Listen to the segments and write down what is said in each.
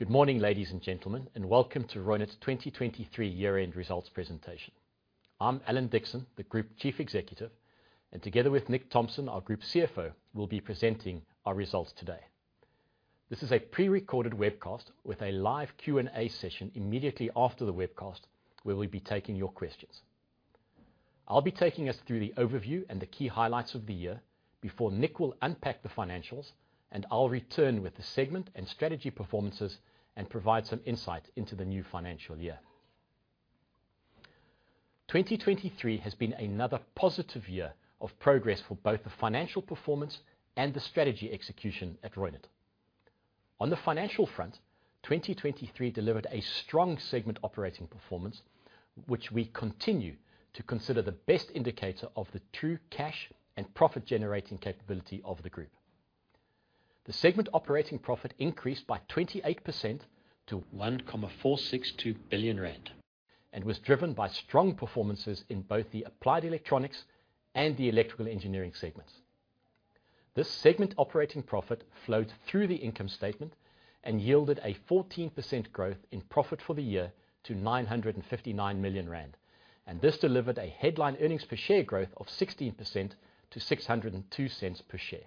Good morning, ladies and gentlemen, and welcome to Reunert's 2023 year-end results presentation. I'm Alan Dickson, the Group Chief Executive, and together with Nick Thomson, our Group CFO, we'll be presenting our results today. This is a pre-recorded webcast with a live Q&A session immediately after the webcast, where we'll be taking your questions. I'll be taking us through the overview and the key highlights of the year before Nick will unpack the financials, and I'll return with the segment and strategy performances and provide some insight into the new financial year. 2023 has been another positive year of progress for both the financial performance and the strategy execution at Reunert. On the financial front, 2023 delivered a strong segment operating performance, which we continue to consider the best indicator of the true cash and profit-generating capability of the group. The segment operating profit increased by 28% to 1.462 billion rand, and was driven by strong performances in both the applied electronics and the electrical engineering segments. This segment operating profit flowed through the income statement and yielded a 14% growth in profit for the year to 959 million rand, and this delivered a headline earnings per share growth of 16% to 6.02 per share.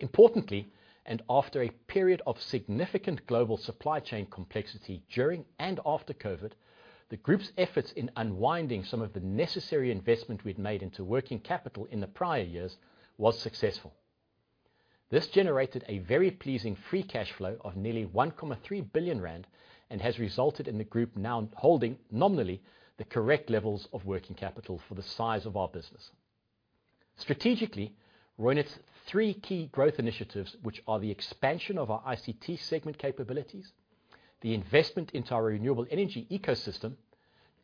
Importantly, and after a period of significant global supply chain complexity during and after COVID, the group's efforts in unwinding some of the necessary investment we'd made into working capital in the prior years was successful. This generated a very pleasing free cash flow of nearly 1.3 billion rand, and has resulted in the group now holding nominally the correct levels of working capital for the size of our business. Strategically, Reunert's 3 key growth initiatives, which are the expansion of our ICT segment capabilities, the investment into our renewable energy ecosystem,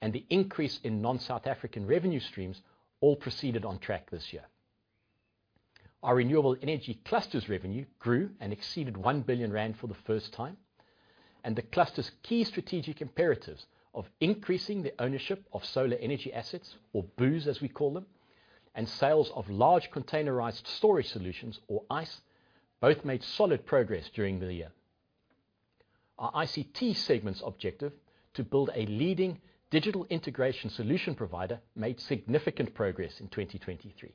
and the increase in non-South African revenue streams, all proceeded on track this year. Our renewable energy cluster's revenue grew and exceeded 1 billion rand for the first time, and the cluster's key strategic imperatives of increasing the ownership of solar energy assets, or BOOs, as we call them, and sales of large containerized storage solutions, or iESS, both made solid progress during the year. Our ICT segment's objective to build a leading digital integration solution provider made significant progress in 2023.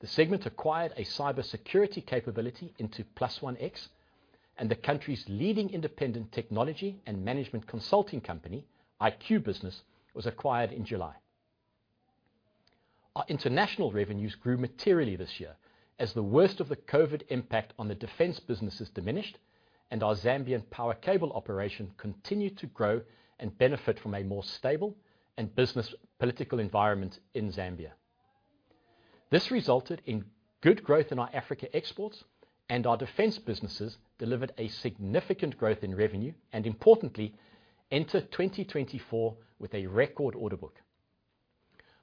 The segment acquired a cybersecurity capability into +One X, and the country's leading independent technology and management consulting company, IQbusiness, was acquired in July. Our international revenues grew materially this year as the worst of the COVID impact on the defense businesses diminished and our Zambian power cable operation continued to grow and benefit from a more stable and business political environment in Zambia. This resulted in good growth in our Africa exports, and our defense businesses delivered a significant growth in revenue and, importantly, entered 2024 with a record order book.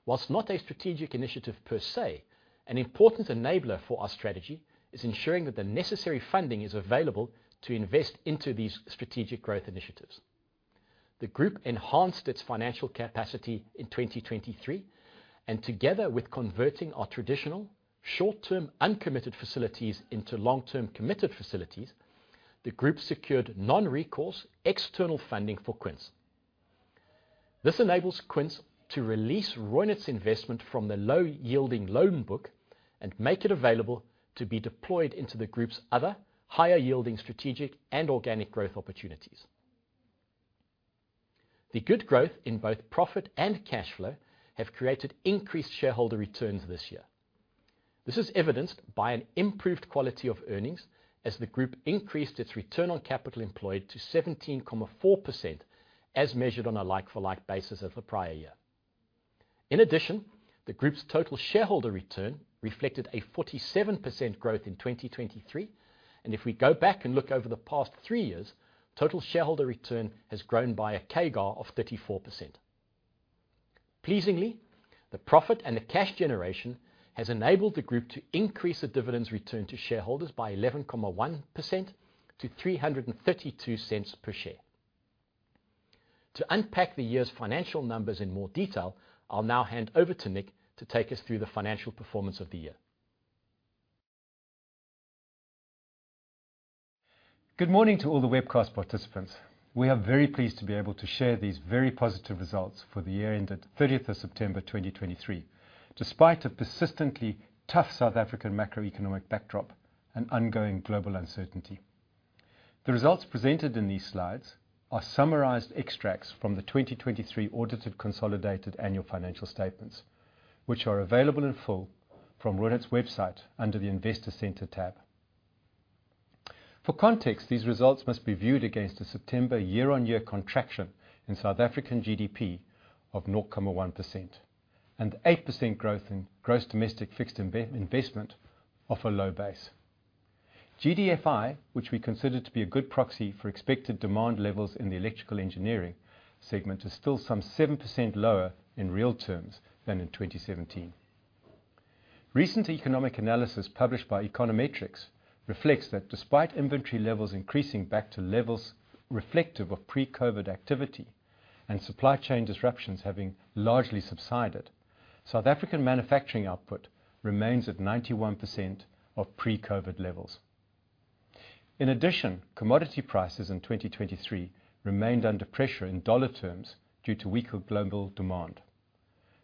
While not a strategic initiative per se, an important enabler for our strategy is ensuring that the necessary funding is available to invest into these strategic growth initiatives. The group enhanced its financial capacity in 2023, and together with converting our traditional short-term, uncommitted facilities into long-term, committed facilities, the group secured non-recourse external funding for Quince. This enables Quince to release Reunert's investment from the low-yielding loan book and make it available to be deployed into the group's other higher-yielding strategic and organic growth opportunities. The good growth in both profit and cash flow have created increased shareholder returns this year. This is evidenced by an improved quality of earnings as the group increased its return on capital employed to 17.4%, as measured on a like-for-like basis of the prior year. In addition, the group's total shareholder return reflected a 47% growth in 2023, and if we go back and look over the past three years, total shareholder return has grown by a CAGR of 34%. Pleasingly, the profit and the cash generation has enabled the group to increase the dividends return to shareholders by 11.1% to 3.32 per share. To unpack the year's financial numbers in more detail, I'll now hand over to Nick to take us through the financial performance of the year. Good morning to all the webcast participants. We are very pleased to be able to share these very positive results for the year ended September 30th 2023, despite a persistently tough South African macroeconomic backdrop and ongoing global uncertainty. The results presented in these slides are summarized extracts from the 2023 audited consolidated annual financial statements, which are available in full from Reunert's website under the Investor Center tab. For context, these results must be viewed against a September year-on-year contraction in South African GDP of 0.1% and 8% growth in gross domestic fixed investment off a low base. GDFI, which we consider to be a good proxy for expected demand levels in the electrical engineering segment, is still some 7% lower in real terms than in 2017. Recent economic analysis published by Econometrix reflects that despite inventory levels increasing back to levels reflective of pre-COVID activity, and supply chain disruptions having largely subsided, South African manufacturing output remains at 91% of pre-COVID levels. In addition, commodity prices in 2023 remained under pressure in dollar terms due to weaker global demand.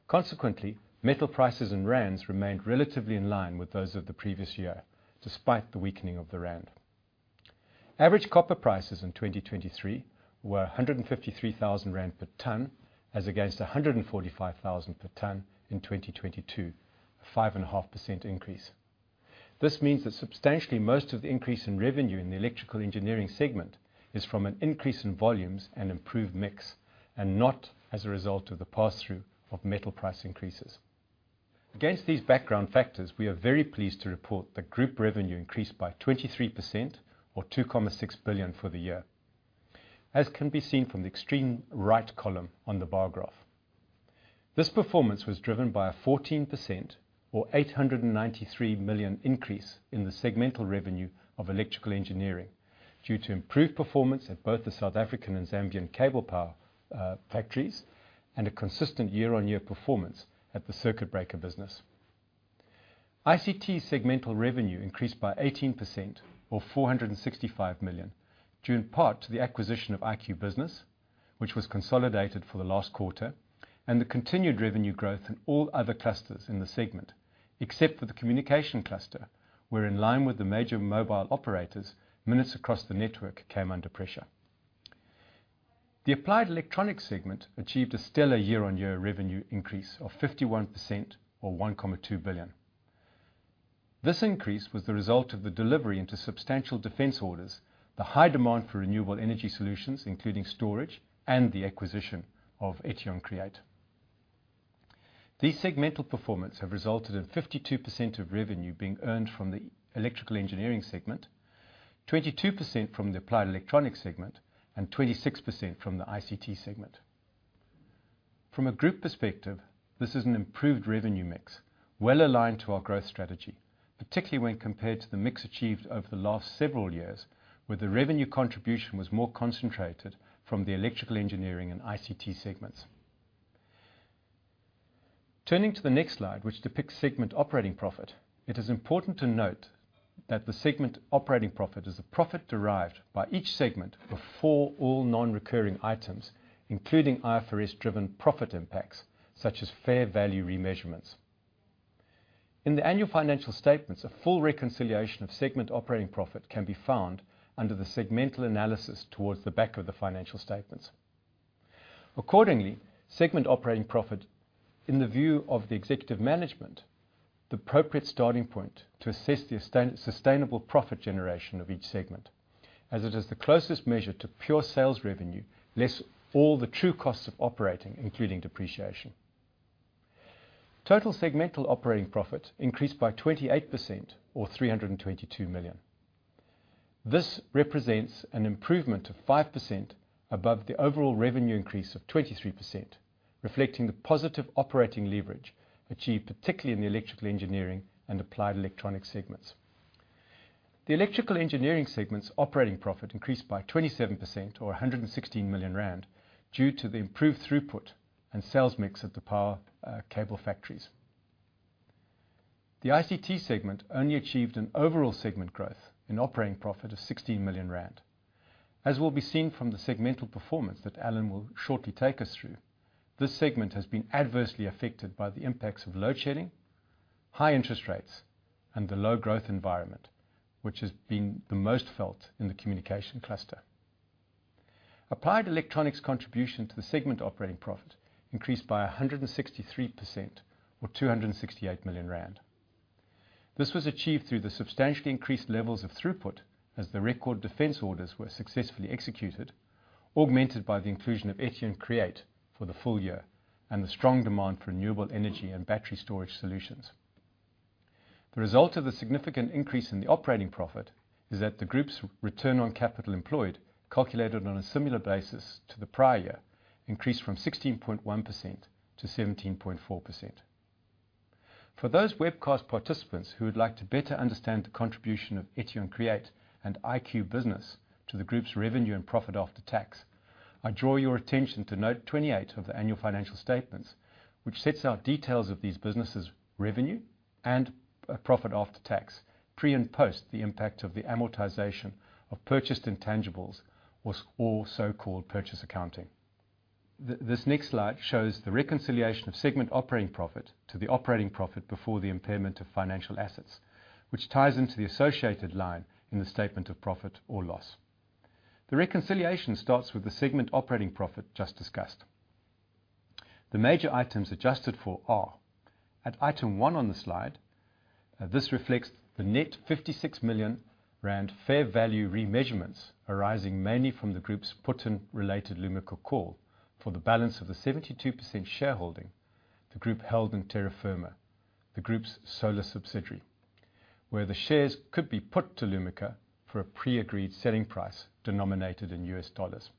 Consequently, metal prices and rands remained relatively in line with those of the previous year, despite the weakening of the rand. Average copper prices in 2023 were 153,000 rand per ton, as against 145,000 per ton in 2022, a 5.5% increase. This means that substantially most of the increase in revenue in the electrical engineering segment is from an increase in volumes and improved mix, and not as a result of the pass-through of metal price increases. Against these background factors, we are very pleased to report that group revenue increased by 23% or 2.6 billion for the year, as can be seen from the extreme right column on the bar graph. This performance was driven by a 14% or 893 million increase in the segmental revenue of electrical engineering, due to improved performance at both the South African and Zambian cable power factories and a consistent year-on-year performance at the circuit breaker business. ICT segmental revenue increased by 18% or 465 million, due in part to the acquisition of IQbusiness, which was consolidated for the last quarter, and the continued revenue growth in all other clusters in the segment, except for the communication cluster, where in line with the major mobile operators, minutes across the network came under pressure. The Applied Electronics segment achieved a stellar year-on-year revenue increase of 51% or 1.2 billion. This increase was the result of the delivery into substantial defense orders, the high demand for renewable energy solutions, including storage and the acquisition of Etion Create. These segmental performance have resulted in 52% of revenue being earned from the electrical engineering segment, 22% from the applied electronics segment, and 26% from the ICT segment. From a group perspective, this is an improved revenue mix, well-aligned to our growth strategy, particularly when compared to the mix achieved over the last several years, where the revenue contribution was more concentrated from the electrical engineering and ICT segments. Turning to the next slide, which depicts segment operating profit, it is important to note that the segment operating profit is the profit derived by each segment before all non-recurring items, including IFRS-driven profit impacts, such as fair value remeasurements. In the annual financial statements, a full reconciliation of segment operating profit can be found under the segmental analysis towards the back of the financial statements. Accordingly, segment operating profit, in the view of the executive management, the appropriate starting point to assess the sustainable profit generation of each segment, as it is the closest measure to pure sales revenue, less all the true costs of operating, including depreciation. Total segmental operating profit increased by 28% or 322 million. This represents an improvement of 5% above the overall revenue increase of 23%, reflecting the positive operating leverage achieved, particularly in the Electrical Engineering and Applied Electronics segments. The Electrical Engineering segment's operating profit increased by 27% or 116 million rand due to the improved throughput and sales mix of the power cable factories. The ICT segment only achieved an overall segment growth in operating profit of 16 million rand. As will be seen from the segmental performance that Alan will shortly take us through, this segment has been adversely affected by the impacts of load shedding, high interest rates, and the low growth environment, which has been the most felt in the communication cluster. Applied Electronics' contribution to the segment operating profit increased by 163% or 268 million rand. This was achieved through the substantially increased levels of throughput as the record defense orders were successfully executed, augmented by the inclusion of Etion Create for the full year and the strong demand for renewable energy and battery storage solutions. The result of the significant increase in the operating profit is that the group's return on capital employed, calculated on a similar basis to the prior year, increased from 16.1%-17.4%. For those webcast participants who would like to better understand the contribution of Etion Create and IQbusiness to the group's revenue and profit after tax, I draw your attention to Note 28 of the annual financial statements, which sets out details of these businesses' revenue and profit after tax, pre and post the impact of the amortization of purchased intangibles or so-called purchase accounting. This next slide shows the reconciliation of segment operating profit to the operating profit before the impairment of financial assets, which ties into the associated line in the statement of profit or loss. The reconciliation starts with the segment operating profit just discussed. The major items adjusted for are: at item one on the slide, this reflects the net 56 million rand fair value remeasurements, arising mainly from the group's put and related Lumika call for the balance of the 72% shareholding the group held in Terra Firma, the group's solar subsidiary, where the shares could be put to Lumika for a pre-agreed selling price denominated in U.S. dollars.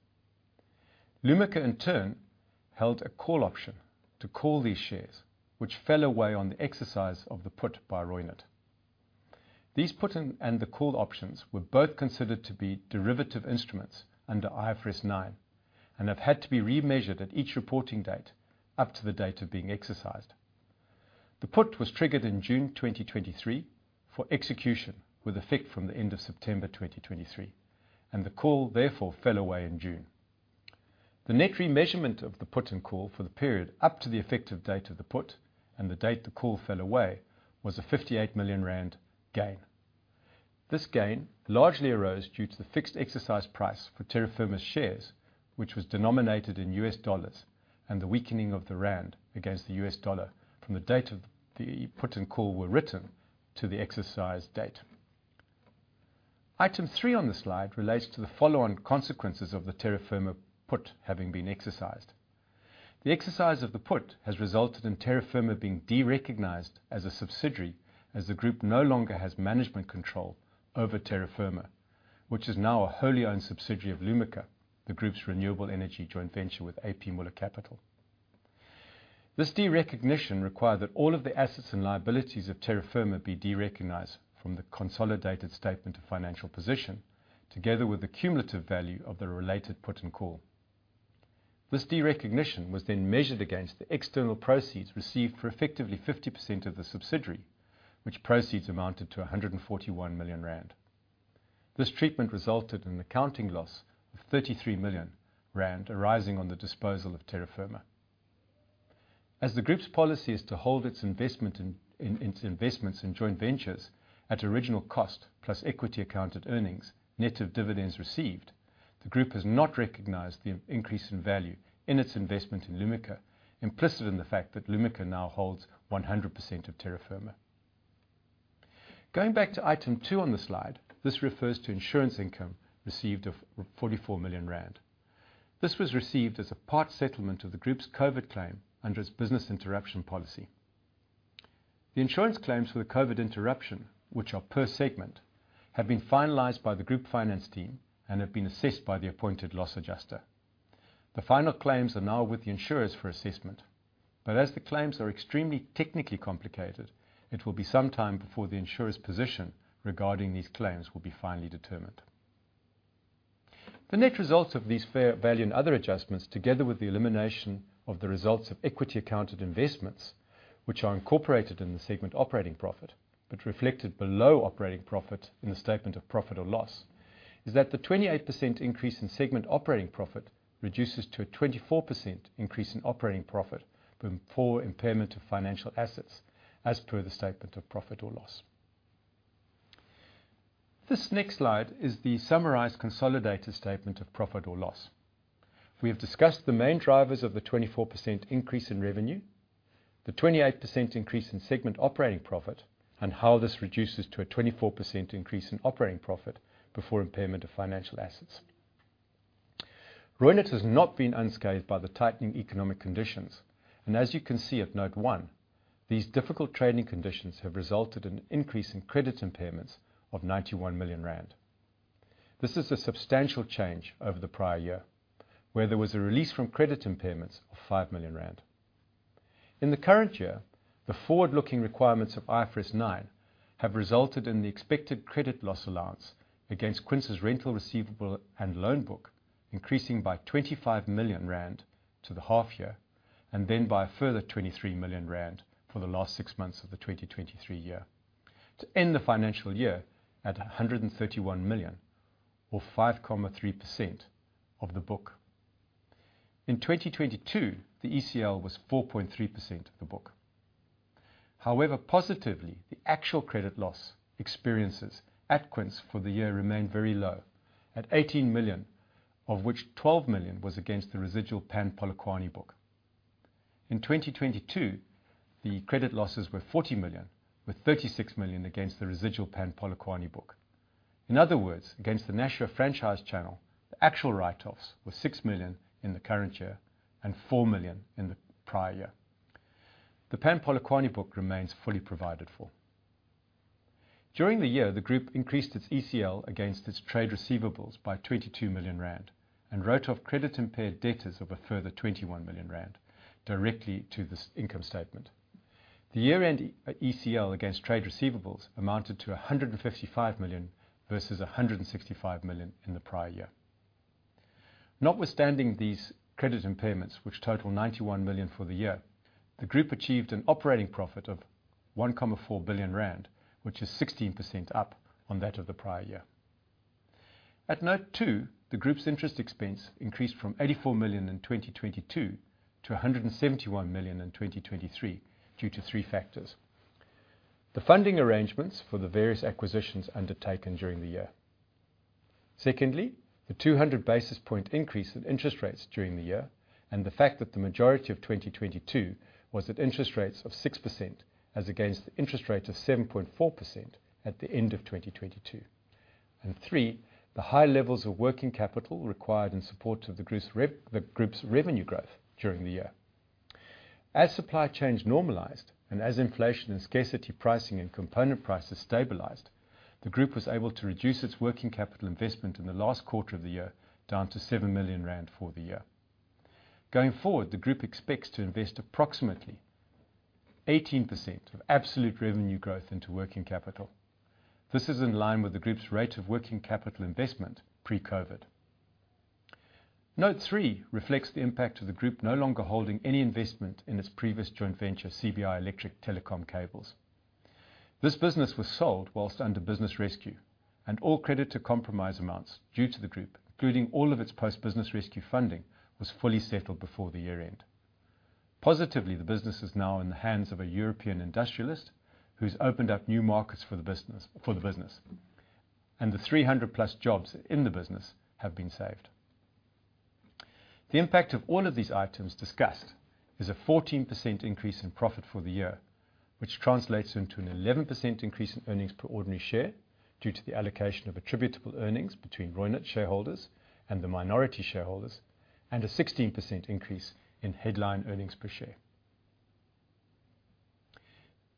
Lumika, in turn, held a call option to call these shares, which fell away on the exercise of the put by Reunert. These put and the call options were both considered to be derivative instruments under IFRS 9, and have had to be remeasured at each reporting date, up to the date of being exercised. The put was triggered in June 2023 for execution, with effect from the end of September 2023, and the call therefore fell away in June. The net remeasurement of the put and call for the period up to the effective date of the put and the date the call fell away, was a 58 million rand gain. This gain largely arose due to the fixed exercise price for Terra Firma's shares, which was denominated in US dollars, and the weakening of the rand against the US dollar from the date of the put and call were written to the exercise date. Item three on the slide relates to the follow-on consequences of the Terra Firma put having been exercised. The exercise of the put has resulted in Terra Firma being de-recognized as a subsidiary, as the group no longer has management control over Terra Firma, which is now a wholly owned subsidiary of Lumika, the group's renewable energy joint venture with A.P. Moller Capital. This de-recognition required that all of the assets and liabilities of Terra Firma be de-recognized from the consolidated statement of financial position, together with the cumulative value of the related put and call. This de-recognition was then measured against the external proceeds received for effectively 50% of the subsidiary, which proceeds amounted to 141 million rand. This treatment resulted in an accounting loss of 33 million rand arising on the disposal of Terra Firma. As the group's policy is to hold its investment in its investments in joint ventures at original cost, plus equity accounted earnings, net of dividends received, the group has not recognized the increase in value in its investment in Lumika, implicit in the fact that Lumika now holds 100% of Terra Firma. Going back to item two on the slide, this refers to insurance income received of 44 million rand. This was received as a part settlement of the group's COVID claim under its business interruption policy. The insurance claims for the COVID interruption, which are per segment, have been finalized by the group finance team and have been assessed by the appointed loss adjuster. The final claims are now with the insurers for assessment, but as the claims are extremely technically complicated, it will be some time before the insurer's position regarding these claims will be finally determined. The net results of these fair value and other adjustments, together with the elimination of the results of equity accounted investments, which are incorporated in the segment operating profit, but reflected below operating profit in the statement of profit or loss, is that the 28% increase in segment operating profit reduces to a 24% increase in operating profit before impairment of financial assets, as per the statement of profit or loss. This next slide is the summarized consolidated statement of profit or loss. We have discussed the main drivers of the 24% increase in revenue, the 28% increase in segment operating profit, and how this reduces to a 24% increase in operating profit before impairment of financial assets. Reunert has not been unscathed by the tightening economic conditions, and as you can see at Note 1, these difficult trading conditions have resulted in an increase in credit impairments of 91 million rand. This is a substantial change over the prior year, where there was a release from credit impairments of 5 million rand. In the current year, the forward-looking requirements of IFRS 9 have resulted in the expected credit loss allowance against Quince's rental receivable and loan book increasing by 25 million rand to the half year, and then by a further 23 million rand for the last six months of the 2023 year, to end the financial year at 131 million or 5.3% of the book. In 2022, the ECL was 4.3% of the book. However, positively, the actual credit loss experiences at Quince for the year remained very low at 18 million, of which 12 million was against the residual Pan Polokwane book. In 2022, the credit losses were 40 million, with 36 million against the residual Pan Polokwane book. In other words, against the Nashua franchise channel, the actual write-offs were 6 million in the current year and 4 million in the prior year. The Pan Polokwane book remains fully provided for. During the year, the group increased its ECL against its trade receivables by 22 million rand and wrote off credit-impaired debtors of a further 21 million rand directly to this income statement. The year-end ECL against trade receivables amounted to 155 million versus 165 million in the prior year. Notwithstanding these credit impairments, which total 91 million for the year, the group achieved an operating profit of 1.4 billion rand, which is 16% up on that of the prior year. At note two, the group's interest expense increased from 84 million in 2022-ZAR 171 million in 2023, due to three factors: the funding arrangements for the various acquisitions undertaken during the year. Secondly, the 200 basis point increase in interest rates during the year, and the fact that the majority of 2022 was at interest rates of 6%, as against the interest rate of 7.4% at the end of 2022. And three, the high levels of working capital required in support of the group's revenue growth during the year. As supply chains normalized, and as inflation and scarcity pricing and component prices stabilized, the group was able to reduce its working capital investment in the last quarter of the year, down to 7 million rand for the year. Going forward, the group expects to invest approximately 18% of absolute revenue growth into working capital. This is in line with the group's rate of working capital investment pre-COVID. Note three reflects the impact of the group no longer holding any investment in its previous joint venture, CBi-Electric Telecom Cables. This business was sold while under business rescue, and all credit to compromise amounts due to the group, including all of its post business rescue funding, was fully settled before the year end. Positively, the business is now in the hands of a European industrialist who's opened up new markets for the business, for the business, and the 300+ jobs in the business have been saved. The impact of all of these items discussed is a 14% increase in profit for the year, which translates into an 11% increase in earnings per ordinary share, due to the allocation of attributable earnings between Reunert shareholders and the minority shareholders, and a 16% increase in headline earnings per share.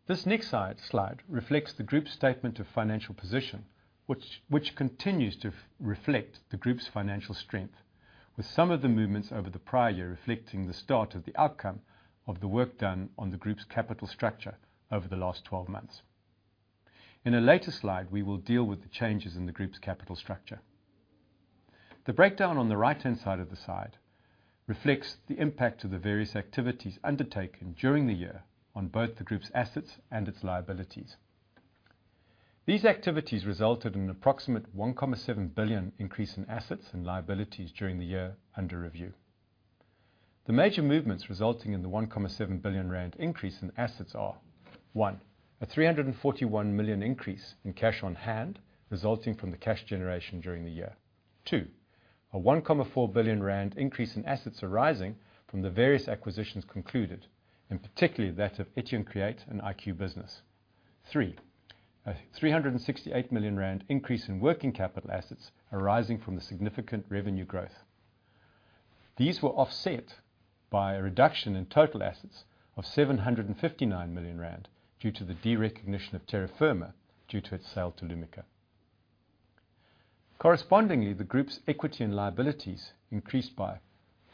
This next slide reflects the group's statement of financial position, which continues to reflect the group's financial strength, with some of the movements over the prior year reflecting the start of the outcome of the work done on the group's capital structure over the last 12 months. In a later slide, we will deal with the changes in the group's capital structure. The breakdown on the right-hand side of the slide reflects the impact of the various activities undertaken during the year on both the group's assets and its liabilities. These activities resulted in an approximate 1.7 billion increase in assets and liabilities during the year under review. The major movements resulting in the 1.7 billion rand increase in assets are: One, a 341 million increase in cash on hand resulting from the cash generation during the year. Two, a 1.4 billion rand increase in assets arising from the various acquisitions concluded, and particularly that of Etion Create and IQbusiness. Three, a 368 million rand increase in working capital assets arising from the significant revenue growth. These were offset by a reduction in total assets of 759 million rand due to the derecognition of Terra Firma, due to its sale to Lumika. Correspondingly, the group's equity and liabilities increased by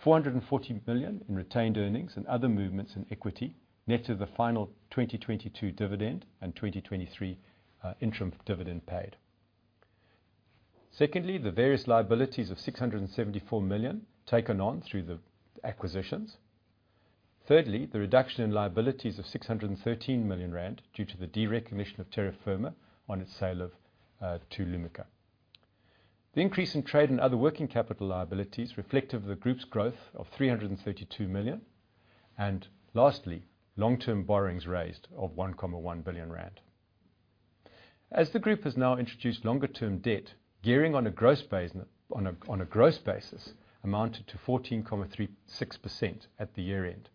440 million in retained earnings and other movements in equity, net of the final 2022 dividend and 2023 interim dividend paid. Secondly, the various liabilities of 674 million taken on through the acquisitions. Thirdly, the reduction in liabilities of 613 million rand due to the derecognition of Terra Firma on its sale to Lumika. The increase in trade and other working capital liabilities reflective of the group's growth of 332 million, and lastly, long-term borrowings raised of 1.1 billion rand. As the group has now introduced longer-term debt, gearing on a gross basis amounted to 14.36% at the year-end.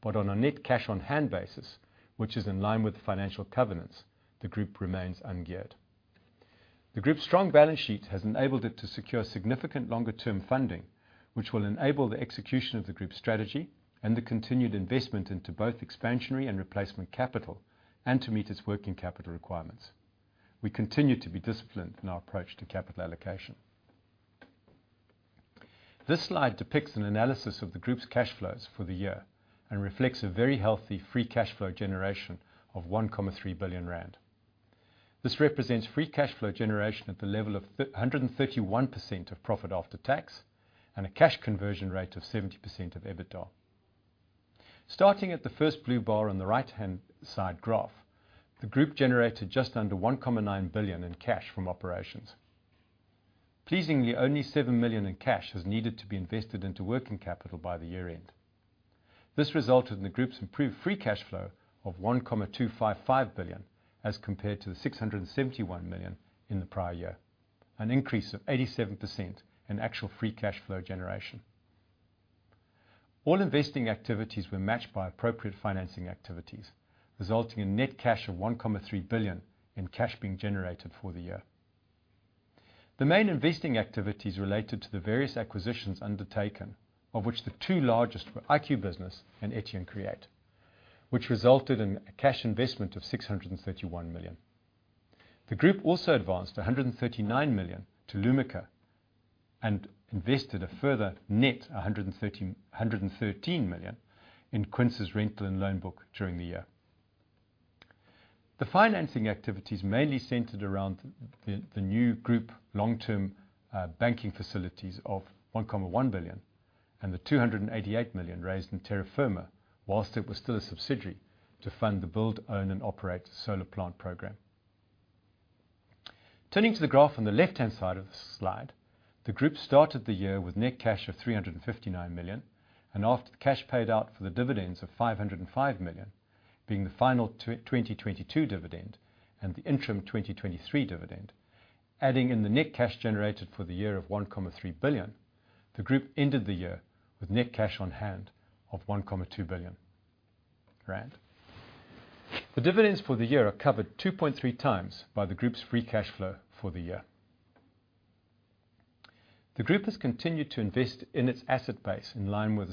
But on a net cash on hand basis, which is in line with the financial covenants, the group remains ungeared. The group's strong balance sheet has enabled it to secure significant longer term funding, which will enable the execution of the group's strategy and the continued investment into both expansionary and replacement capital, and to meet its working capital requirements. We continue to be disciplined in our approach to capital allocation. This slide depicts an analysis of the group's cash flows for the year and reflects a very healthy free cash flow generation of 1.3 billion rand. This represents free cash flow generation at the level of 331% of profit after tax, and a cash conversion rate of 70% of EBITDA. Starting at the first blue bar on the right-hand side graph, the group generated just under 1.9 billion in cash from operations. Pleasingly, only 7 million in cash was needed to be invested into working capital by the year end. This resulted in the group's improved free cash flow of 1.255 billion, as compared to the 671 million in the prior year, an increase of 87% in actual free cash flow generation. All investing activities were matched by appropriate financing activities, resulting in net cash of 1.3 billion in cash being generated for the year. The main investing activities related to the various acquisitions undertaken, of which the two largest were IQbusiness and Etion Create, which resulted in a cash investment of 631 million. The group also advanced 139 million to Lumika and invested a further net 113 million in Quince's rental and loan book during the year. The financing activities mainly centered around the new group long-term banking facilities of 1.1 billion and the 288 million raised in Terra Firma while it was still a subsidiary to fund the build, own, and operate solar plant program. Turning to the graph on the left-hand side of the slide, the group started the year with net cash of 359 million, and after the cash paid out for the dividends of 505 million, being the final twenty 2022 dividend and the interim twenty 2023 dividend, adding in the net cash generated for the year of 1.3 billion, the group ended the year with net cash on hand of 1.2 billion rand. The dividends for the year are covered 2.3 times by the group's free cash flow for the year. The group has continued to invest in its asset base in line with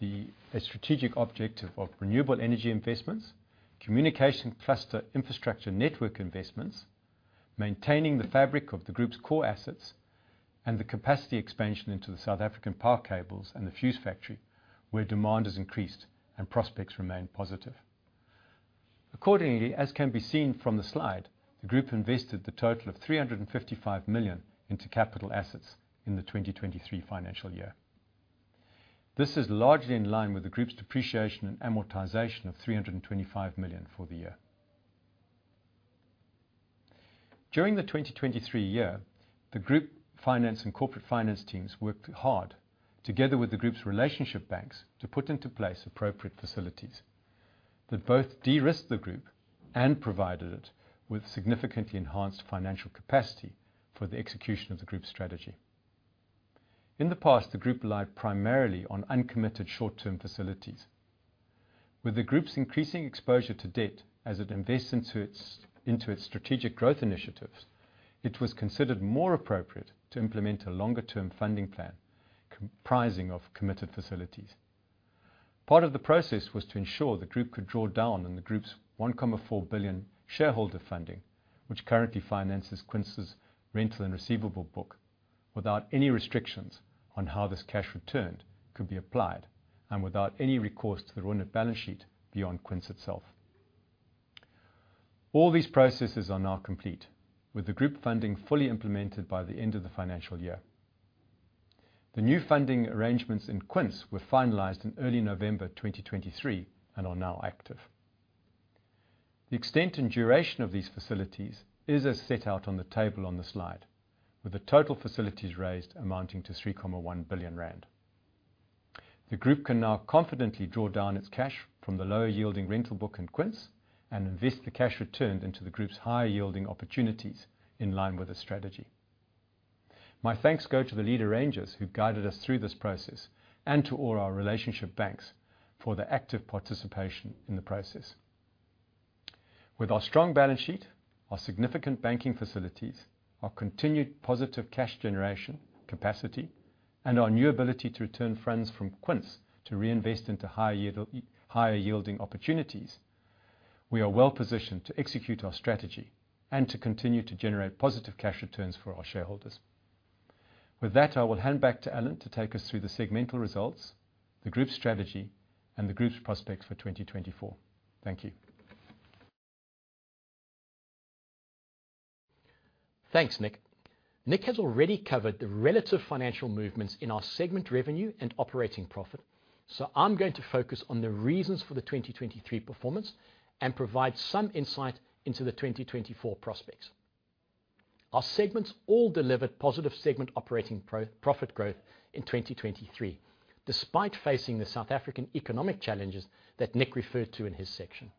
the strategic objective of renewable energy investments, communication cluster infrastructure network investments... maintaining the fabric of the group's core assets, and the capacity expansion into the South African power cables and the fuse factory, where demand has increased and prospects remain positive. Accordingly, as can be seen from the slide, the group invested a total of 355 million into capital assets in the 2023 financial year. This is largely in line with the group's depreciation and amortization of 325 million for the year. During the 2023 year, the group finance and corporate finance teams worked hard, together with the group's relationship banks, to put into place appropriate facilities that both de-risked the group and provided it with significantly enhanced financial capacity for the execution of the group's strategy. In the past, the group relied primarily on uncommitted short-term facilities. With the group's increasing exposure to debt as it invests into its strategic growth initiatives, it was considered more appropriate to implement a longer-term funding plan comprising of committed facilities. Part of the process was to ensure the group could draw down on the group's 1.4 billion shareholder funding, which currently finances Quince's rental and receivable book, without any restrictions on how this cash returned could be applied, and without any recourse to the Reunert balance sheet beyond Quince itself. All these processes are now complete, with the group funding fully implemented by the end of the financial year. The new funding arrangements in Quince were finalized in early November 2023 and are now active. The extent and duration of these facilities is as set out on the table on the slide, with the total facilities raised amounting to 3.1 billion rand. The group can now confidently draw down its cash from the lower-yielding rental book in Quince and invest the cash returned into the group's higher-yielding opportunities in line with the strategy. My thanks go to the lead arrangers who guided us through this process and to all our relationship banks for their active participation in the process. With our strong balance sheet, our significant banking facilities, our continued positive cash generation capacity, and our new ability to return funds from Quince to reinvest into higher yield, higher-yielding opportunities, we are well positioned to execute our strategy and to continue to generate positive cash returns for our shareholders. With that, I will hand back to Alan to take us through the segmental results, the group's strategy, and the group's prospects for 2024. Thank you. Thanks, Nick. Nick has already covered the relative financial movements in our segment revenue and operating profit, so I'm going to focus on the reasons for the 2023 performance and provide some insight into the 2024 prospects. Our segments all delivered positive segment operating profit growth in 2023, despite facing the South African economic challenges that Nick referred to in his section.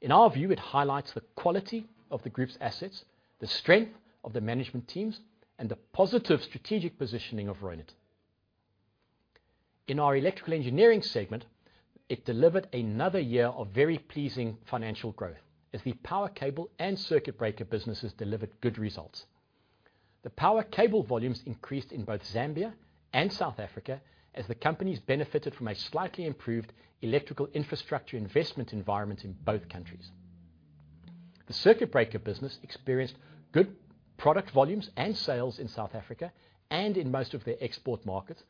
In our view, it highlights the quality of the group's assets, the strength of the management teams, and the positive strategic positioning of Reunert. In our electrical engineering segment, it delivered another year of very pleasing financial growth, as the power cable and circuit breaker businesses delivered good results. The power cable volumes increased in both Zambia and South Africa as the companies benefited from a slightly improved electrical infrastructure investment environment in both countries. The circuit breaker business experienced good product volumes and sales in South Africa and in most of their export markets,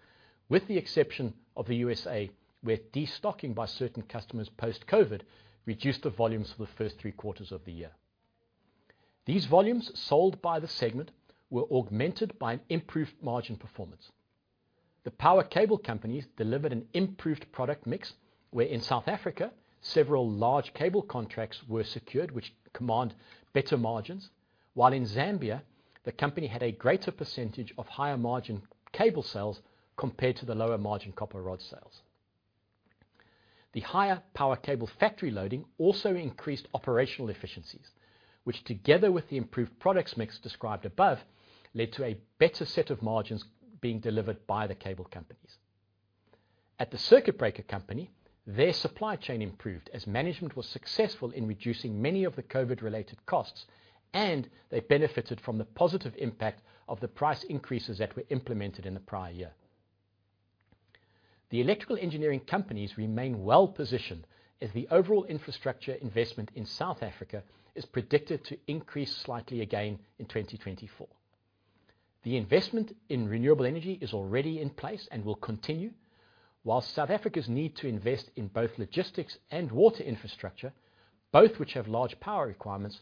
with the exception of the USA, where destocking by certain customers post-COVID reduced the volumes for the first three quarters of the year. These volumes sold by the segment were augmented by an improved margin performance. The power cable companies delivered an improved product mix, where in South Africa, several large cable contracts were secured, which command better margins, while in Zambia, the company had a greater percentage of higher-margin cable sales compared to the lower-margin copper rod sales. The higher power cable factory loading also increased operational efficiencies, which, together with the improved product mix described above, led to a better set of margins being delivered by the cable companies. At the circuit breaker company, their supply chain improved as management was successful in reducing many of the COVID-related costs, and they benefited from the positive impact of the price increases that were implemented in the prior year. The electrical engineering companies remain well positioned, as the overall infrastructure investment in South Africa is predicted to increase slightly again in 2024. The investment in renewable energy is already in place and will continue, while South Africa's need to invest in both logistics and water infrastructure, both which have large power requirements,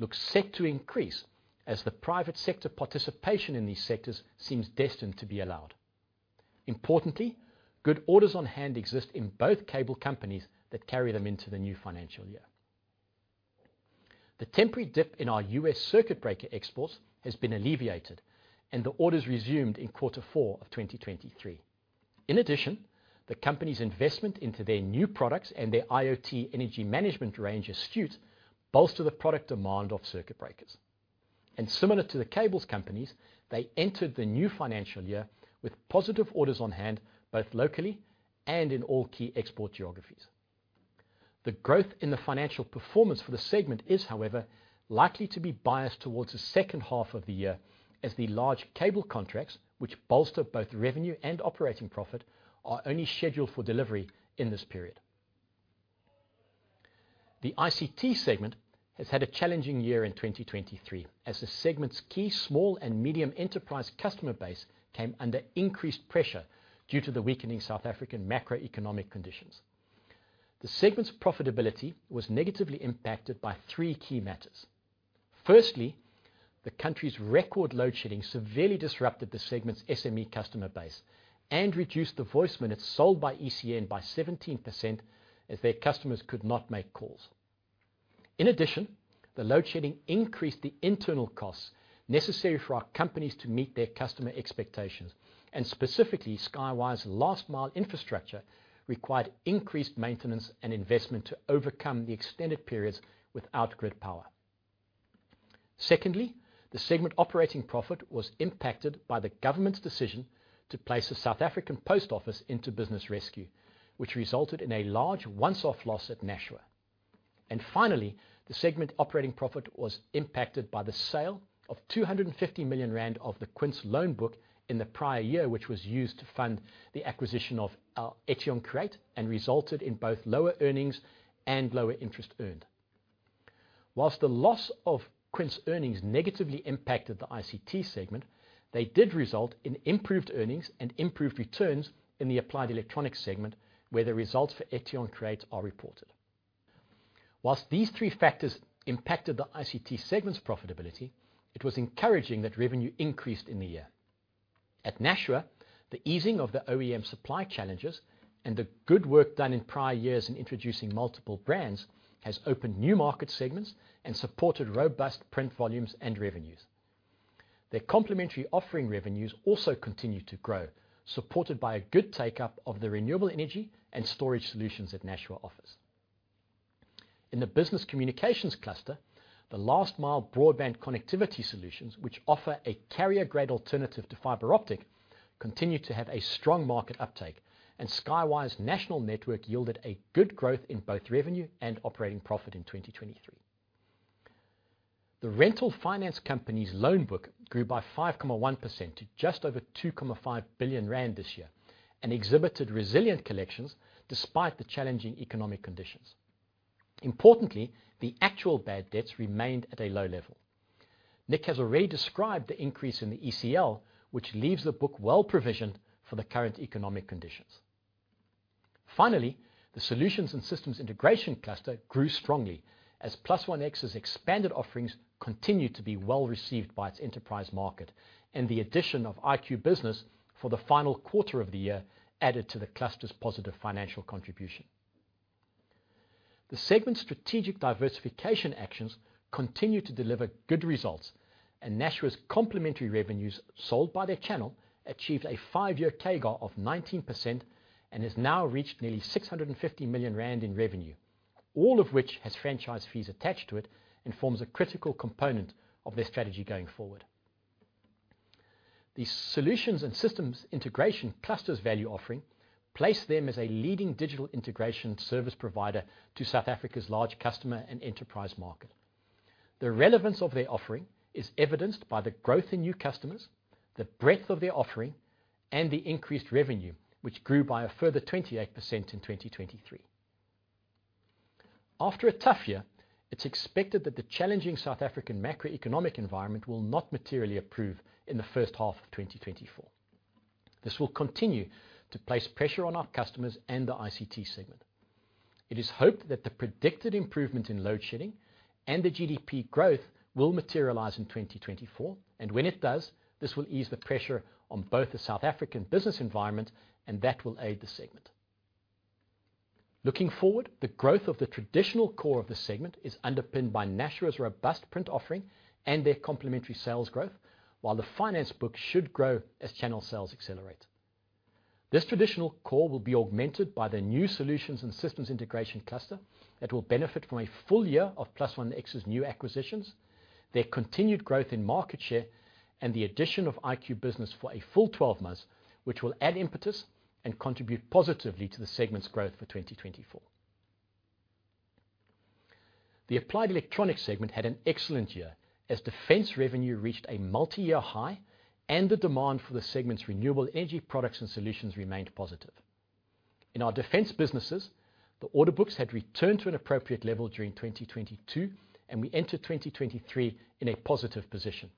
looks set to increase as the private sector participation in these sectors seems destined to be allowed. Importantly, good orders on hand exist in both cable companies that carry them into the new financial year. The temporary dip in our U.S. circuit breaker exports has been alleviated, and the orders resumed in quarter four of 2023. In addition, the company's investment into their new products and their IoT energy management range Astute bolster the product demand of circuit breakers. Similar to the cables companies, they entered the new financial year with positive orders on hand, both locally and in all key export geographies. The growth in the financial performance for the segment is, however, likely to be biased towards the second half of the year, as the large cable contracts, which bolster both revenue and operating profit, are only scheduled for delivery in this period. The ICT segment has had a challenging year in 2023, as the segment's key small and medium enterprise customer base came under increased pressure due to the weakening South African macroeconomic conditions. The segment's profitability was negatively impacted by three key matters. Firstly, the country's record load shedding severely disrupted the segment's SME customer base and reduced the voice minutes sold by ECN by 17%, as their customers could not make calls. In addition, the load shedding increased the internal costs necessary for our companies to meet their customer expectations, and specifically, SkyWire's last mile infrastructure required increased maintenance and investment to overcome the extended periods without grid power. Secondly, the segment operating profit was impacted by the government's decision to place the South African Post Office into business rescue, which resulted in a large once-off loss at Nashua. And finally, the segment operating profit was impacted by the sale of 250 million rand of the Quince loan book in the prior year, which was used to fund the acquisition of Etion Create, and resulted in both lower earnings and lower interest earned. While the loss of Quince earnings negatively impacted the ICT segment, they did result in improved earnings and improved returns in the Applied Electronics segment, where the results for Etion Create are reported. While these three factors impacted the ICT segment's profitability, it was encouraging that revenue increased in the year. At Nashua, the easing of the OEM supply challenges and the good work done in prior years in introducing multiple brands, has opened new market segments and supported robust print volumes and revenues. Their complementary offering revenues also continued to grow, supported by a good take-up of the renewable energy and storage solutions that Nashua offers. In the business communications cluster, the last-mile broadband connectivity solutions, which offer a carrier-grade alternative to fiber optic, continued to have a strong market uptake, and SkyWire national network yielded a good growth in both revenue and operating profit in 2023. The rental finance company's loan book grew by 5.1% to just over 2.5 billion rand this year, and exhibited resilient collections despite the challenging economic conditions. Importantly, the actual bad debts remained at a low level. Nick has already described the increase in the ECL, which leaves the book well-provisioned for the current economic conditions. Finally, the solutions and systems integration cluster grew strongly as +OneX's expanded offerings continued to be well-received by its enterprise market, and the addition of IQbusiness for the final quarter of the year added to the cluster's positive financial contribution. The segment's strategic diversification actions continued to deliver good results, and Nashua's complementary revenues, sold by their channel, achieved a five-year CAGR of 19% and has now reached nearly 650 million rand in revenue, all of which has franchise fees attached to it and forms a critical component of their strategy going forward. The solutions and systems integration cluster's value offering place them as a leading digital integration service provider to South Africa's large customer and enterprise market. The relevance of their offering is evidenced by the growth in new customers, the breadth of their offering, and the increased revenue, which grew by a further 28% in 2023. After a tough year, it's expected that the challenging South African macroeconomic environment will not materially improve in the first half of 2024. This will continue to place pressure on our customers and the ICT segment. It is hoped that the predicted improvement in load shedding and the GDP growth will materialize in 2024, and when it does, this will ease the pressure on both the South African business environment, and that will aid the segment. Looking forward, the growth of the traditional core of the segment is underpinned by Nashua's robust print offering and their complementary sales growth, while the finance book should grow as channel sales accelerate. This traditional core will be augmented by the new solutions and systems integration cluster that will benefit from a full year of +One X's new acquisitions, their continued growth in market share, and the addition of IQ Business for a full 12 months, which will add impetus and contribute positively to the segment's growth for 2024. The Applied Electronics segment had an excellent year, as defense revenue reached a multi-year high, and the demand for the segment's renewable energy products and solutions remained positive. In our defense businesses, the order books had returned to an appropriate level during 2022, and we entered 2023 in a positive position.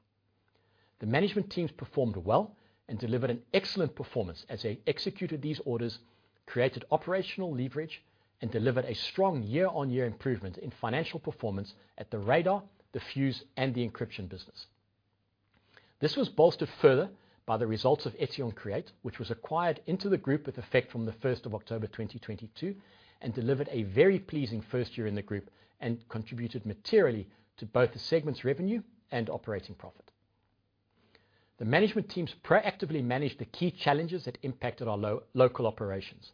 The management teams performed well and delivered an excellent performance as they executed these orders, created operational leverage, and delivered a strong year-on-year improvement in financial performance at the radar, the fuse, and the encryption business. This was bolstered further by the results of Etion Create, which was acquired into the group with effect from the first of October 2022, and delivered a very pleasing first year in the group, and contributed materially to both the segment's revenue and operating profit. The management teams proactively managed the key challenges that impacted our local operations.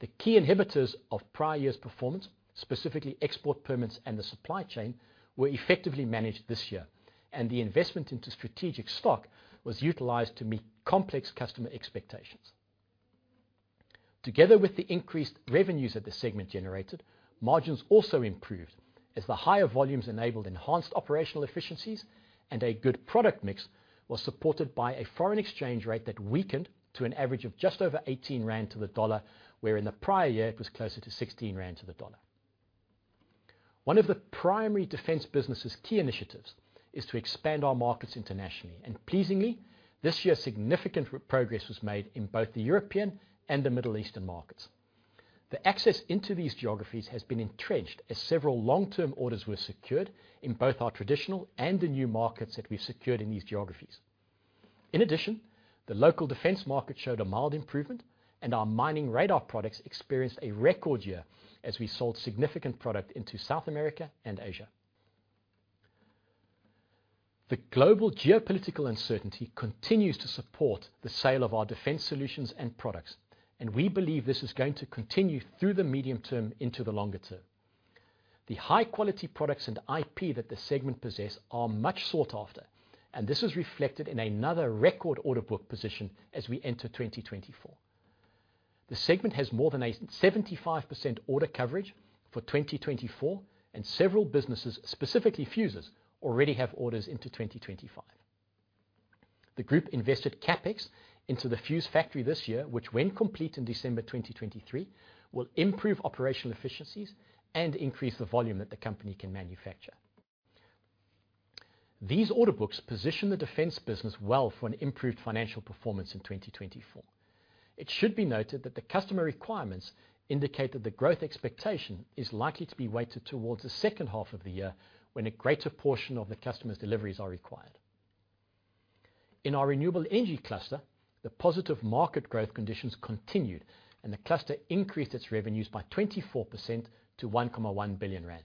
The key inhibitors of prior year's performance, specifically export permits and the supply chain, were effectively managed this year, and the investment into strategic stock was utilized to meet complex customer expectations. Together with the increased revenues that the segment generated, margins also improved, as the higher volumes enabled enhanced operational efficiencies, and a good product mix was supported by a foreign exchange rate that weakened to an average of just over 18 rand to the dollar, where in the prior year it was closer to 16 rand to the dollar. One of the primary defense business' key initiatives is to expand our markets internationally, and pleasingly, this year, significant progress was made in both the European and the Middle Eastern markets. The access into these geographies has been entrenched, as several long-term orders were secured in both our traditional and the new markets that we've secured in these geographies. In addition, the local defense market showed a mild improvement, and our mining radar products experienced a record year as we sold significant product into South America and Asia. The global geopolitical uncertainty continues to support the sale of our defense solutions and products, and we believe this is going to continue through the medium term into the longer term. The high-quality products and IP that the segment possess are much sought after, and this is reflected in another record order book position as we enter 2024. The segment has more than a 75% order coverage for 2024, and several businesses, specifically fuses, already have orders into 2025. The group invested CapEx into the fuse factory this year, which, when complete in December 2023, will improve operational efficiencies and increase the volume that the company can manufacture. These order books position the defense business well for an improved financial performance in 2024. It should be noted that the customer requirements indicate that the growth expectation is likely to be weighted towards the second half of the year, when a greater portion of the customer's deliveries are required. In our renewable energy cluster, the positive market growth conditions continued, and the cluster increased its revenues by 24% to 1.1 billion rand.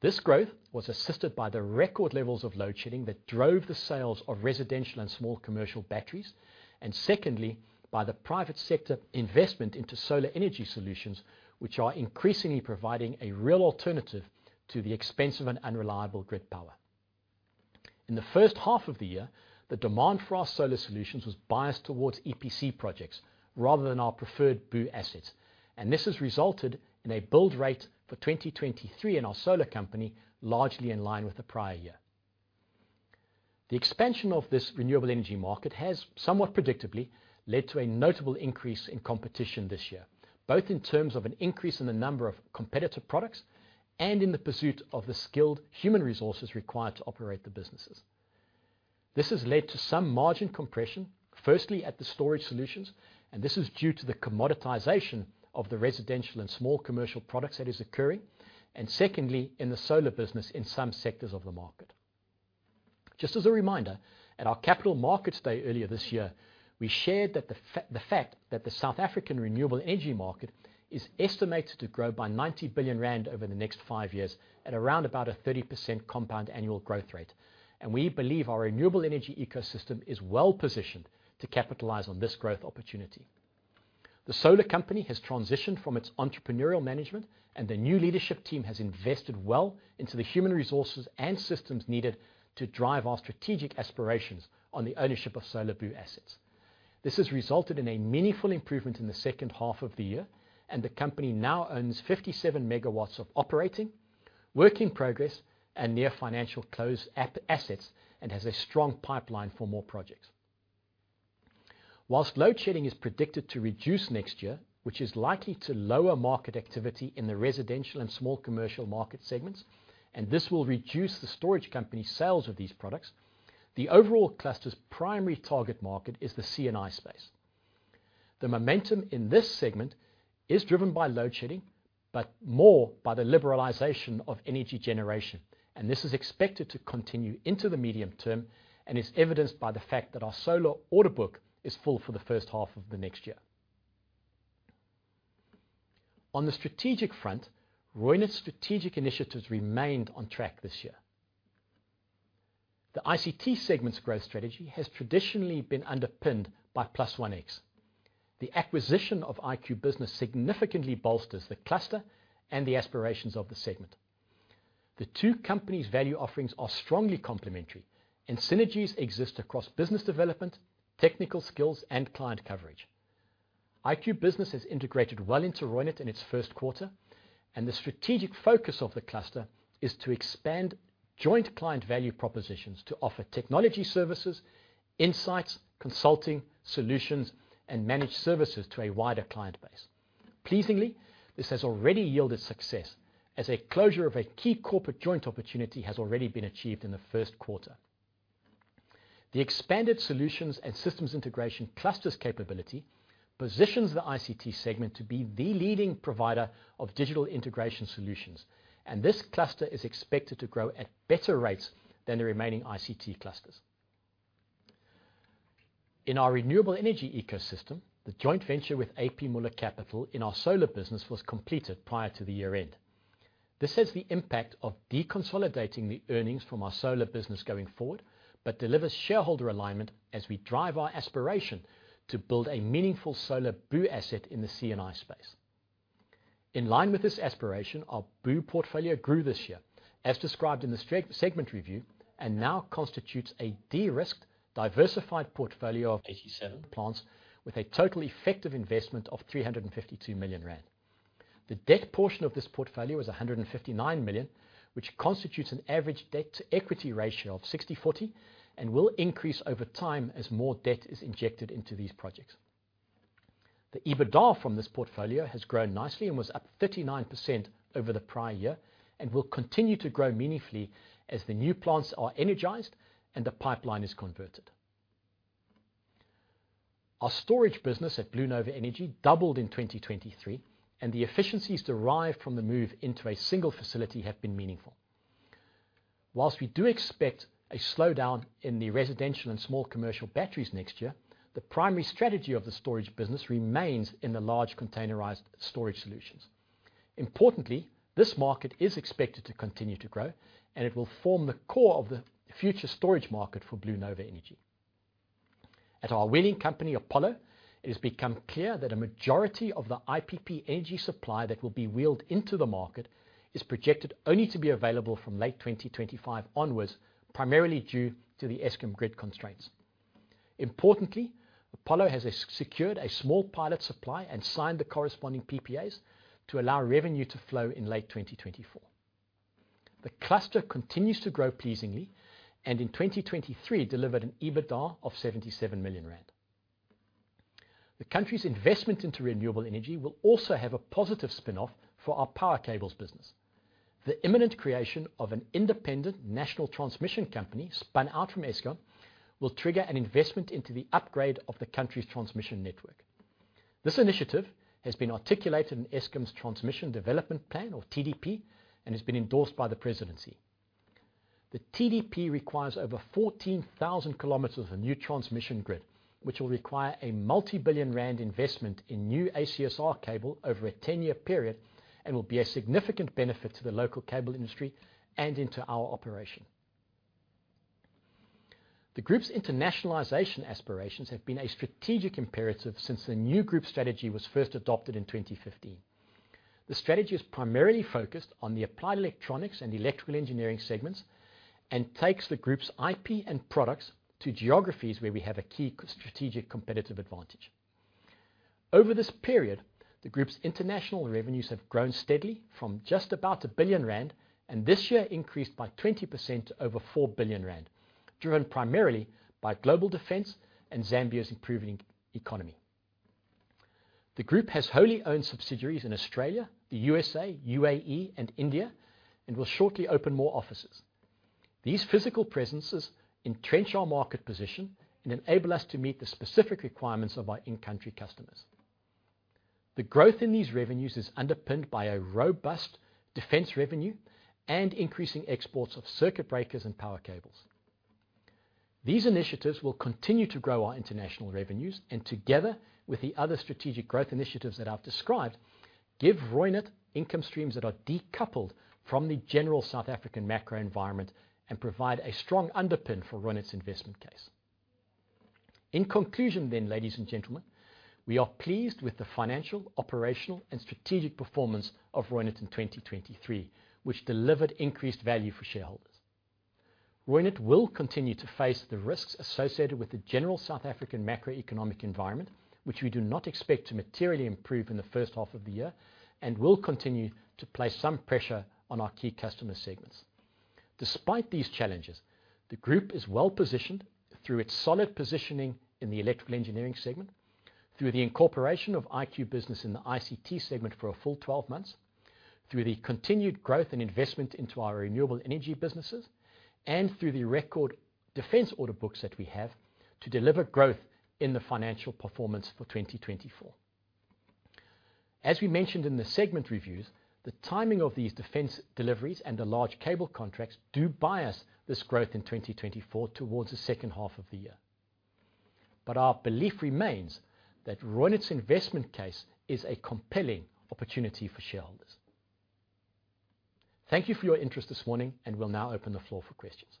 This growth was assisted by the record levels of load shedding that drove the sales of residential and small commercial batteries, and secondly, by the private sector investment into solar energy solutions, which are increasingly providing a real alternative to the expensive and unreliable grid power. In the first half of the year, the demand for our solar solutions was biased towards EPC projects rather than our preferred BOO assets, and this has resulted in a build rate for 2023 in our solar company, largely in line with the prior year. The expansion of this renewable energy market has, somewhat predictably, led to a notable increase in competition this year, both in terms of an increase in the number of competitive products and in the pursuit of the skilled human resources required to operate the businesses. This has led to some margin compression, firstly, at the storage solutions, and this is due to the commoditization of the residential and small commercial products that is occurring, and secondly, in the solar business in some sectors of the market. Just as a reminder, at our Capital Markets Day earlier this year, we shared the fact that the South African renewable energy market is estimated to grow by 90 billion rand over the next 5 years at around about a 30% compound annual growth rate, and we believe our renewable energy ecosystem is well-positioned to capitalize on this growth opportunity. The solar company has transitioned from its entrepreneurial management, and the new leadership team has invested well into the human resources and systems needed to drive our strategic aspirations on the ownership of solar BOO assets. This has resulted in a meaningful improvement in the second half of the year, and the company now owns 57 megawatts of operating, work in progress, and near financial close EPC assets, and has a strong pipeline for more projects. While load shedding is predicted to reduce next year, which is likely to lower market activity in the residential and small commercial market segments, and this will reduce the storage company's sales of these products, the overall cluster's primary target market is the C&I space. The momentum in this segment is driven by load shedding, but more by the liberalization of energy generation, and this is expected to continue into the medium term, and is evidenced by the fact that our solar order book is full for the first half of the next year. On the strategic front, Reunert's strategic initiatives remained on track this year. The ICT segment's growth strategy has traditionally been underpinned by +One X. The acquisition of IQbusiness significantly bolsters the cluster and the aspirations of the segment. The two companies' value offerings are strongly complementary, and synergies exist across business development, technical skills, and client coverage. IQbusiness has integrated well into Reunert in its first quarter, and the strategic focus of the cluster is to expand joint client value propositions to offer technology services, insights, consulting, solutions, and managed services to a wider client base. Pleasingly, this has already yielded success, as a closure of a key corporate joint opportunity has already been achieved in the first quarter. The expanded solutions and systems integration clusters capability positions the ICT segment to be the leading provider of digital integration solutions, and this cluster is expected to grow at better rates than the remaining ICT clusters. In our renewable energy ecosystem, the joint venture with A.P. Moller Capital in our solar business was completed prior to the year-end. This has the impact of deconsolidating the earnings from our solar business going forward, but delivers shareholder alignment as we drive our aspiration to build a meaningful solar BOO asset in the C&I space. In line with this aspiration, our BOO portfolio grew this year, as described in the segment review, and now constitutes a de-risked, diversified portfolio of 87 plants with a total effective investment of 352 million rand. The debt portion of this portfolio is 159 million, which constitutes an average debt-to-equity ratio of 60/40, and will increase over time as more debt is injected into these projects. The EBITDA from this portfolio has grown nicely and was up 39% over the prior year, and will continue to grow meaningfully as the new plants are energized and the pipeline is converted. Our storage business at BlueNova Energy doubled in 2023, and the efficiencies derived from the move into a single facility have been meaningful. While we do expect a slowdown in the residential and small commercial batteries next year, the primary strategy of the storage business remains in the large containerized storage solutions. Importantly, this market is expected to continue to grow, and it will form the core of the future storage market for BlueNova Energy. At our winning company, Apollo, it has become clear that a majority of the IPP energy supply that will be wheeled into the market is projected only to be available from late 2025 onwards, primarily due to the Eskom grid constraints. Importantly, Apollo has secured a small pilot supply and signed the corresponding PPAs to allow revenue to flow in late 2024. The cluster continues to grow pleasingly, and in 2023 delivered an EBITDA of 77 million rand. The country's investment into renewable energy will also have a positive spin-off for our power cables business. The imminent creation of an independent national transmission company, spun out from Eskom, will trigger an investment into the upgrade of the country's transmission network. This initiative has been articulated in Eskom's Transmission Development Plan, or TDP, and has been endorsed by the presidency. The TDP requires over 14,000 kilometers of new transmission grid, which will require a multi-billion ZAR investment in new ACSR cable over a 10-year period, and will be a significant benefit to the local cable industry and into our operation. The group's internationalization aspirations have been a strategic imperative since the new group strategy was first adopted in 2015. The strategy is primarily focused on the applied electronics and electrical engineering segments, and takes the group's IP and products to geographies where we have a key strategic competitive advantage. Over this period, the group's international revenues have grown steadily from just about 1 billion rand, and this year increased by 20% to over 4 billion rand, driven primarily by global defense and Zambia's improving economy. The group has wholly owned subsidiaries in Australia, the USA, UAE, and India, and will shortly open more offices. These physical presences entrench our market position and enable us to meet the specific requirements of our in-country customers. The growth in these revenues is underpinned by a robust defense revenue and increasing exports of circuit breakers and power cables. These initiatives will continue to grow our international revenues, and together with the other strategic growth initiatives that I've described, give Reunert income streams that are decoupled from the general South African macro environment, and provide a strong underpin for Reunert's investment case. In conclusion then, ladies and gentlemen, we are pleased with the financial, operational and strategic performance of Reunert in 2023, which delivered increased value for shareholders. Reunert will continue to face the risks associated with the general South African macroeconomic environment, which we do not expect to materially improve in the first half of the year, and will continue to place some pressure on our key customer segments. Despite these challenges, the group is well positioned through its solid positioning in the electrical engineering segment, through the incorporation of IQbusiness in the ICT segment for a full 12 months, through the continued growth and investment into our renewable energy businesses, and through the record defense order books that we have to deliver growth in the financial performance for 2024. As we mentioned in the segment reviews, the timing of these defense deliveries and the large cable contracts do bias this growth in 2024 towards the second half of the year. But our belief remains that Reunert's investment case is a compelling opportunity for shareholders. Thank you for your interest this morning, and we'll now open the floor for questions.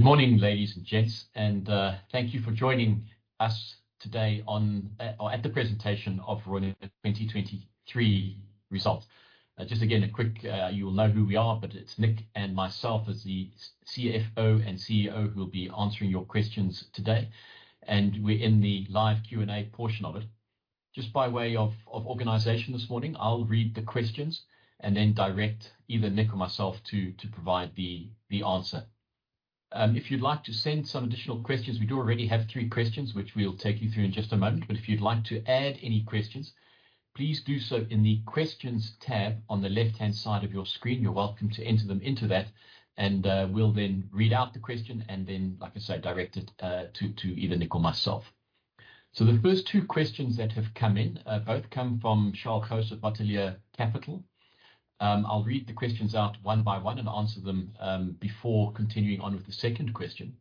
Good morning, ladies and gents, and thank you for joining us today at the presentation of Reunert 2023 results. Just again, a quick, you will know who we are, but it's Nick and myself as the CFO and CEO, who will be answering your questions today, and we're in the live Q&A portion of it. Just by way of organization this morning, I'll read the questions and then direct either Nick or myself to provide the answer. If you'd like to send some additional questions, we do already have three questions, which we'll take you through in just a moment, but if you'd like to add any questions, please do so in the Questions tab on the left-hand side of your screen. You're welcome to enter them into that, and we'll then read out the question, and then, like I said, direct it to either Nick or myself. So the first two questions that have come in both come from Charles House of Bataleur Capital. I'll read the questions out one by one and answer them before continuing on with the second question.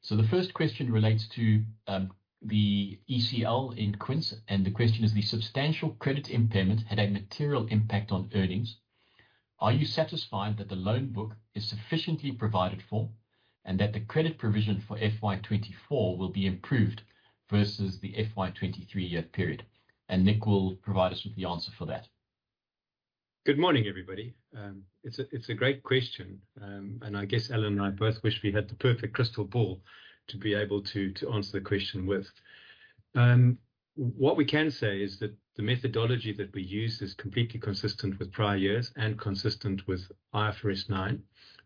So the first question relates to the ECL in Quince, and the question is: The substantial credit impairment had a material impact on earnings. Are you satisfied that the loan book is sufficiently provided for, and that the credit provision for FY 2024 will be improved versus the FY 2023 year period? And Nick will provide us with the answer for that. ... Good morning, everybody. It's a great question, and I guess Alan and I both wish we had the perfect crystal ball to be able to, to answer the question with. What we can say is that the methodology that we use is completely consistent with prior years and consistent with IFRS 9,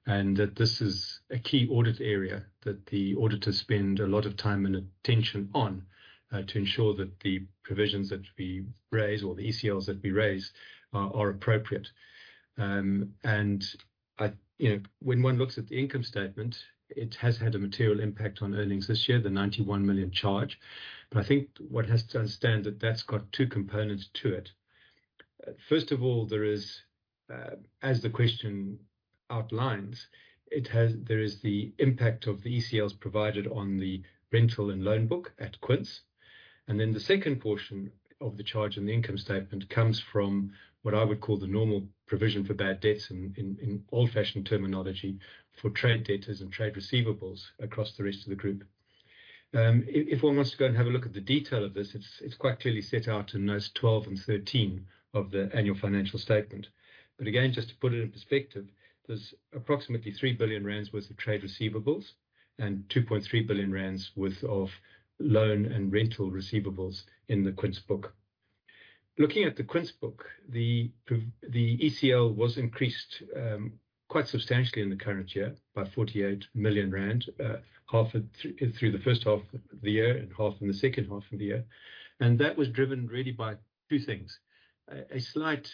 and that this is a key audit area that the auditors spend a lot of time and attention on, to ensure that the provisions that we raise or the ECLs that we raise are, are appropriate. And I... You know, when one looks at the income statement, it has had a material impact on earnings this year, the 91 million charge. But I think one has to understand that that's got two components to it. First of all, there is, as the question outlines, there is the impact of the ECLs provided on the rental and loan book at Quince. And then the second portion of the charge on the income statement comes from what I would call the normal provision for bad debts in old-fashioned terminology, for trade debtors and trade receivables across the rest of the group. If one wants to go and have a look at the detail of this, it's quite clearly set out in Notes 12 and Notes 13 of the annual financial statement. But again, just to put it in perspective, there's approximately 3 billion rand worth of trade receivables and 2.3 billion rand worth of loan and rental receivables in the Quince book. Looking at the Quince book, the ECL was increased quite substantially in the current year by 48 million rand, half of it through the first half of the year and half in the second half of the year, and that was driven really by two things: a slight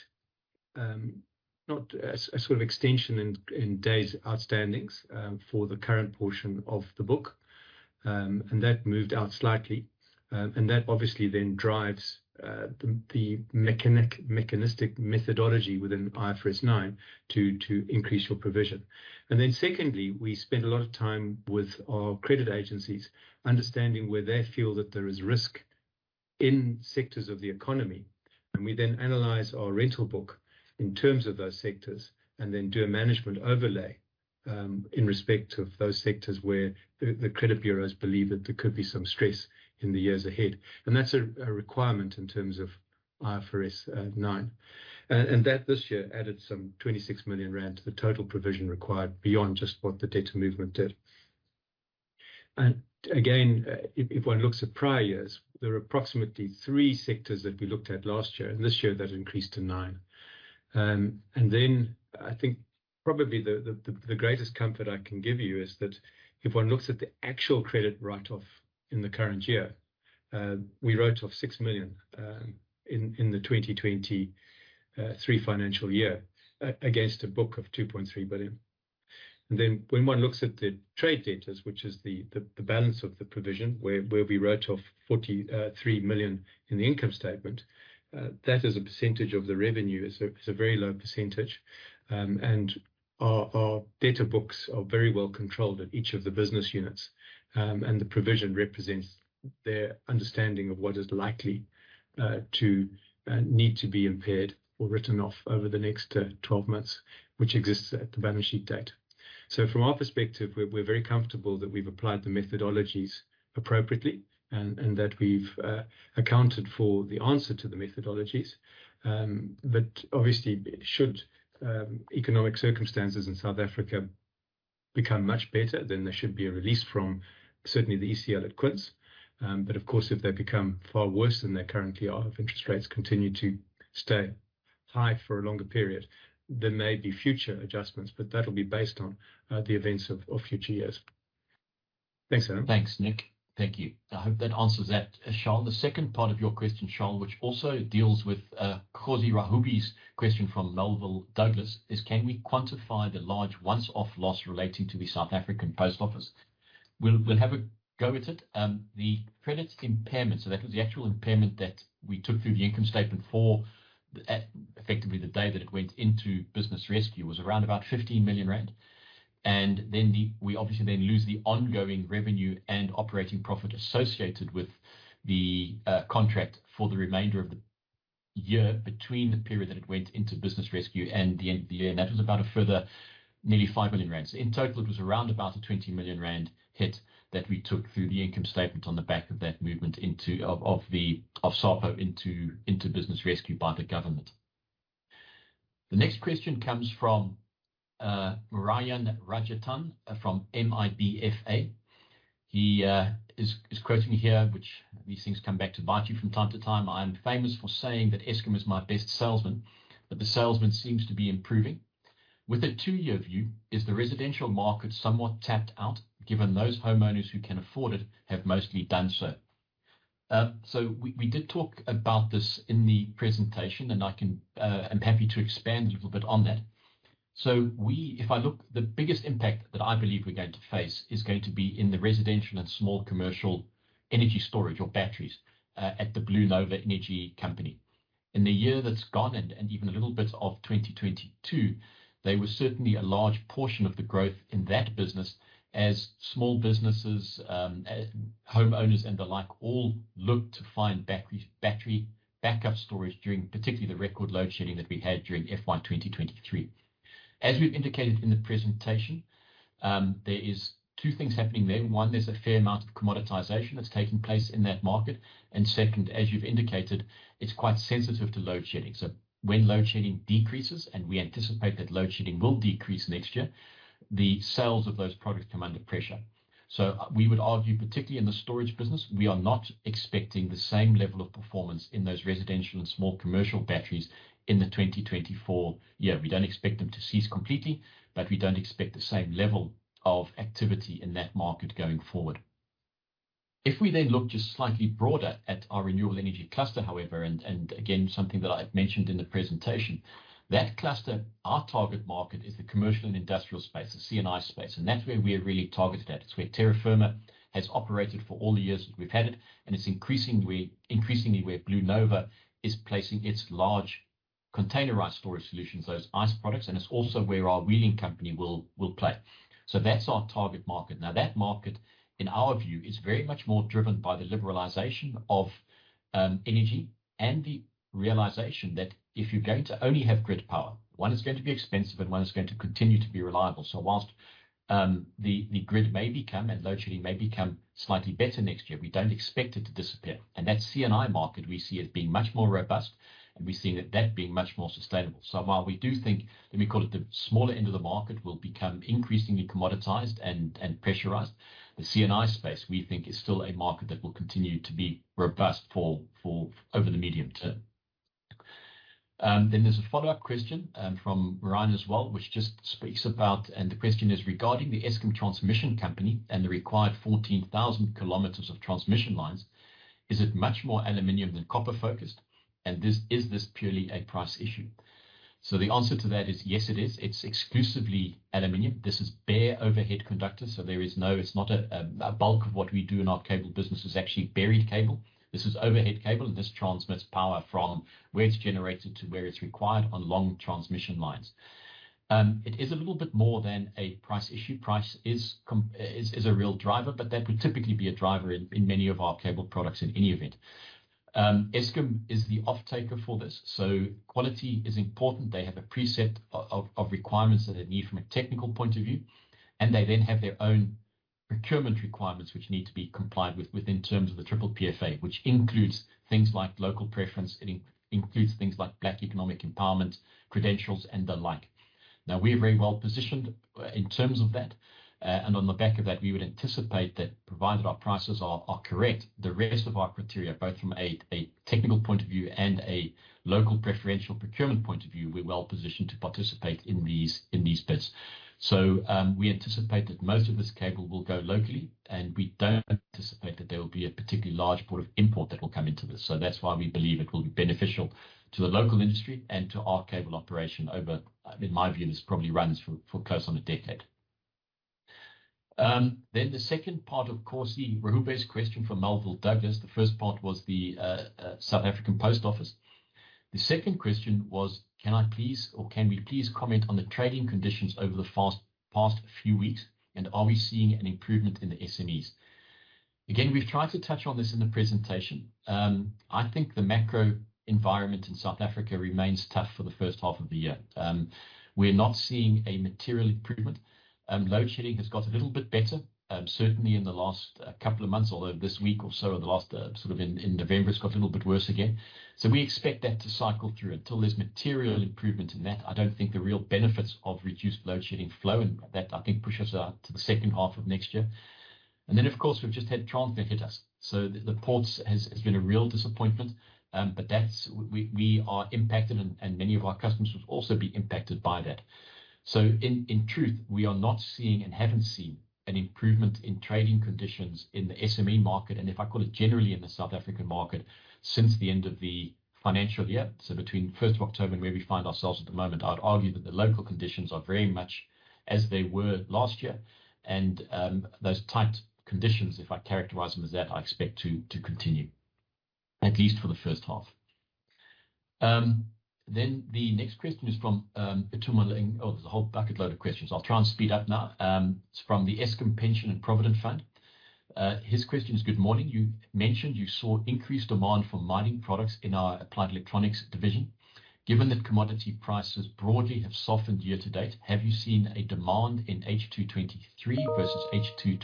extension in days outstandings for the current portion of the book, and that obviously then drives the mechanistic methodology within IFRS 9 to increase your provision. And then secondly, we spent a lot of time with our credit agencies, understanding where they feel that there is risk in sectors of the economy, and we then analyze our rental book in terms of those sectors, and then do a management overlay, in respect of those sectors where the credit bureaus believe that there could be some stress in the years ahead. And that's a requirement in terms of IFRS 9. And that, this year, added some 26 million rand to the total provision required beyond just what the debtor movement did. And again, if one looks at prior years, there are approximately three sectors that we looked at last year, and this year that increased to nine. And then I think probably the greatest comfort I can give you is that if one looks at the actual credit write-off in the current year, we wrote off 6 million in the 2023 financial year against a book of 2.3 billion. And then when one looks at the trade debtors, which is the balance of the provision, where we wrote off 43 million in the income statement, that as a percentage of the revenue is a very low percentage. And our debtor books are very well controlled at each of the business units, and the provision represents their understanding of what is likely to need to be impaired or written off over the next 12 months, which exists at the balance sheet date. So from our perspective, we're very comfortable that we've applied the methodologies appropriately and that we've accounted for the answer to the methodologies. But obviously, should economic circumstances in South Africa become much better, then there should be a release from certainly the ECL at Quince. But of course, if they become far worse than they currently are, if interest rates continue to stay high for a longer period, there may be future adjustments, but that'll be based on the events of future years. Thanks, Alan. Thanks, Nick. Thank you. I hope that answers that, Charles. The second part of your question, Charles, which also deals with Khosie Rahubie question from Melville Douglas, is: Can we quantify the large once-off loss relating to the South African Post Office? We'll have a go at it. The credit impairment, so that was the actual impairment that we took through the income statement for effectively the day that it went into business rescue, was around about 15 million rand. And then the... We obviously then lose the ongoing revenue and operating profit associated with the contract for the remainder of the year between the period that it went into business rescue and the end of the year, and that was about a further nearly 5 million rand. In total, it was around about a 20 million rand hit that we took through the income statement on the back of that movement of SAPO into business rescue by the government. The next question comes from Ryan Rajatan from MIBFA. He is quoting here, which these things come back to bite you from time to time. "I am famous for saying that Eskom is my best salesman, but the salesman seems to be improving. With a two-year view, is the residential market somewhat tapped out, given those homeowners who can afford it have mostly done so?" So we did talk about this in the presentation, and I can, I'm happy to expand a little bit on that. So we... If I look, the biggest impact that I believe we're going to face is going to be in the residential and small commercial energy storage or batteries at the BlueNova Energy company. In the year that's gone and even a little bit of 2022, they were certainly a large portion of the growth in that business as small businesses, homeowners, and the like, all looked to find battery backup storage during particularly the record load shedding that we had during FY 2023. As we've indicated in the presentation, there is two things happening there. One, there's a fair amount of commoditization that's taking place in that market, and second, as you've indicated, it's quite sensitive to load shedding. So when load shedding decreases, and we anticipate that load shedding will decrease next year, the sales of those products come under pressure. So we would argue, particularly in the storage business, we are not expecting the same level of performance in those residential and small commercial batteries in the 2024 year. We don't expect them to cease completely, but we don't expect the same level of activity in that market going forward. If we then look just slightly broader at our renewable energy cluster, however, and again, something that I've mentioned in the presentation, that cluster, our target market is the commercial and industrial space, the C&I space, and that's where we are really targeted at. It's where Terra Firma has operated for all the years that we've had it, and it's increasingly where Blue Nova is placing its large containerized storage solutions, those iESS products, and it's also where our wheeling company will play. So that's our target market. Now, that market, in our view, is very much more driven by the liberalization of energy and the realization that if you're going to only have grid power, one, it's going to be expensive, and one, it's not going to continue to be reliable. So while the grid may become and load shedding may become slightly better next year, we don't expect it to disappear. And that C&I market we see as being much more robust, and we see that that being much more sustainable. So while we do think, let me call it, the smaller end of the market will become increasingly commoditized and pressurized, the C&I space, we think, is still a market that will continue to be robust for over the medium term. Then there's a follow-up question from Ryan as well, which just speaks about... The question is: Regarding the Eskom transmission company and the required 14,000 kilometers of transmission lines, is it much more aluminum than copper focused? This is this purely a price issue? The answer to that is yes, it is. It's exclusively aluminum. This is bare overhead conductor, so there is no... It's not a bulk of what we do in our cable business is actually buried cable. This is overhead cable, and this transmits power from where it's generated to where it's required on long transmission lines. It is a little bit more than a price issue. Price is a real driver, but that would typically be a driver in many of our cable products in any event. Eskom is the offtaker for this, so quality is important. They have a preset of requirements that they need from a technical point of view, and they then have their own procurement requirements, which need to be complied with, within terms of the PPPFA, which includes things like local preference. It includes things like black economic empowerment, credentials, and the like. Now, we are very well positioned in terms of that, and on the back of that, we would anticipate that provided our prices are correct, the rest of our criteria, both from a technical point of view and a local preferential procurement point of view, we're well positioned to participate in these bids. So, we anticipate that most of this cable will go locally, and we don't anticipate that there will be a particularly large port of import that will come into this. So that's why we believe it will be beneficial to the local industry and to our cable operation over, in my view, this probably runs for, for close on a decade. Then the second part, of course, the Rahubi's question from Melville Douglas. The first part was the, South African Post Office. The second question was: "Can I please or can we please comment on the trading conditions over the past few weeks, and are we seeing an improvement in the SMEs?" Again, we've tried to touch on this in the presentation. I think the macro environment in South Africa remains tough for the first half of the year. We're not seeing a material improvement. Load shedding has got a little bit better, certainly in the last couple of months, although this week or so, in the last sort of in November, it's got a little bit worse again. So we expect that to cycle through. Until there's material improvement in that, I don't think the real benefits of reduced load shedding flow, and that, I think, pushes us out to the second half of next year. And then, of course, we've just had Transnet hit us, so the ports has been a real disappointment. But that's. We are impacted, and many of our customers would also be impacted by that. So in truth, we are not seeing and haven't seen an improvement in trading conditions in the SME market, and if I call it generally in the South African market, since the end of the financial year. So between first of October and where we find ourselves at the moment, I'd argue that the local conditions are very much as they were last year, and those tight conditions, if I characterize them as that, I expect to continue, at least for the first half. Then the next question is from Itumeleng. Oh, there's a whole bucket load of questions. I'll try and speed up now. It's from the Eskom Pension and Provident Fund. His question is: Good morning. You mentioned you saw increased demand for mining products in our applied electronics division. Given that commodity prices broadly have softened year to date, have you seen a demand in H2 2023 versus H1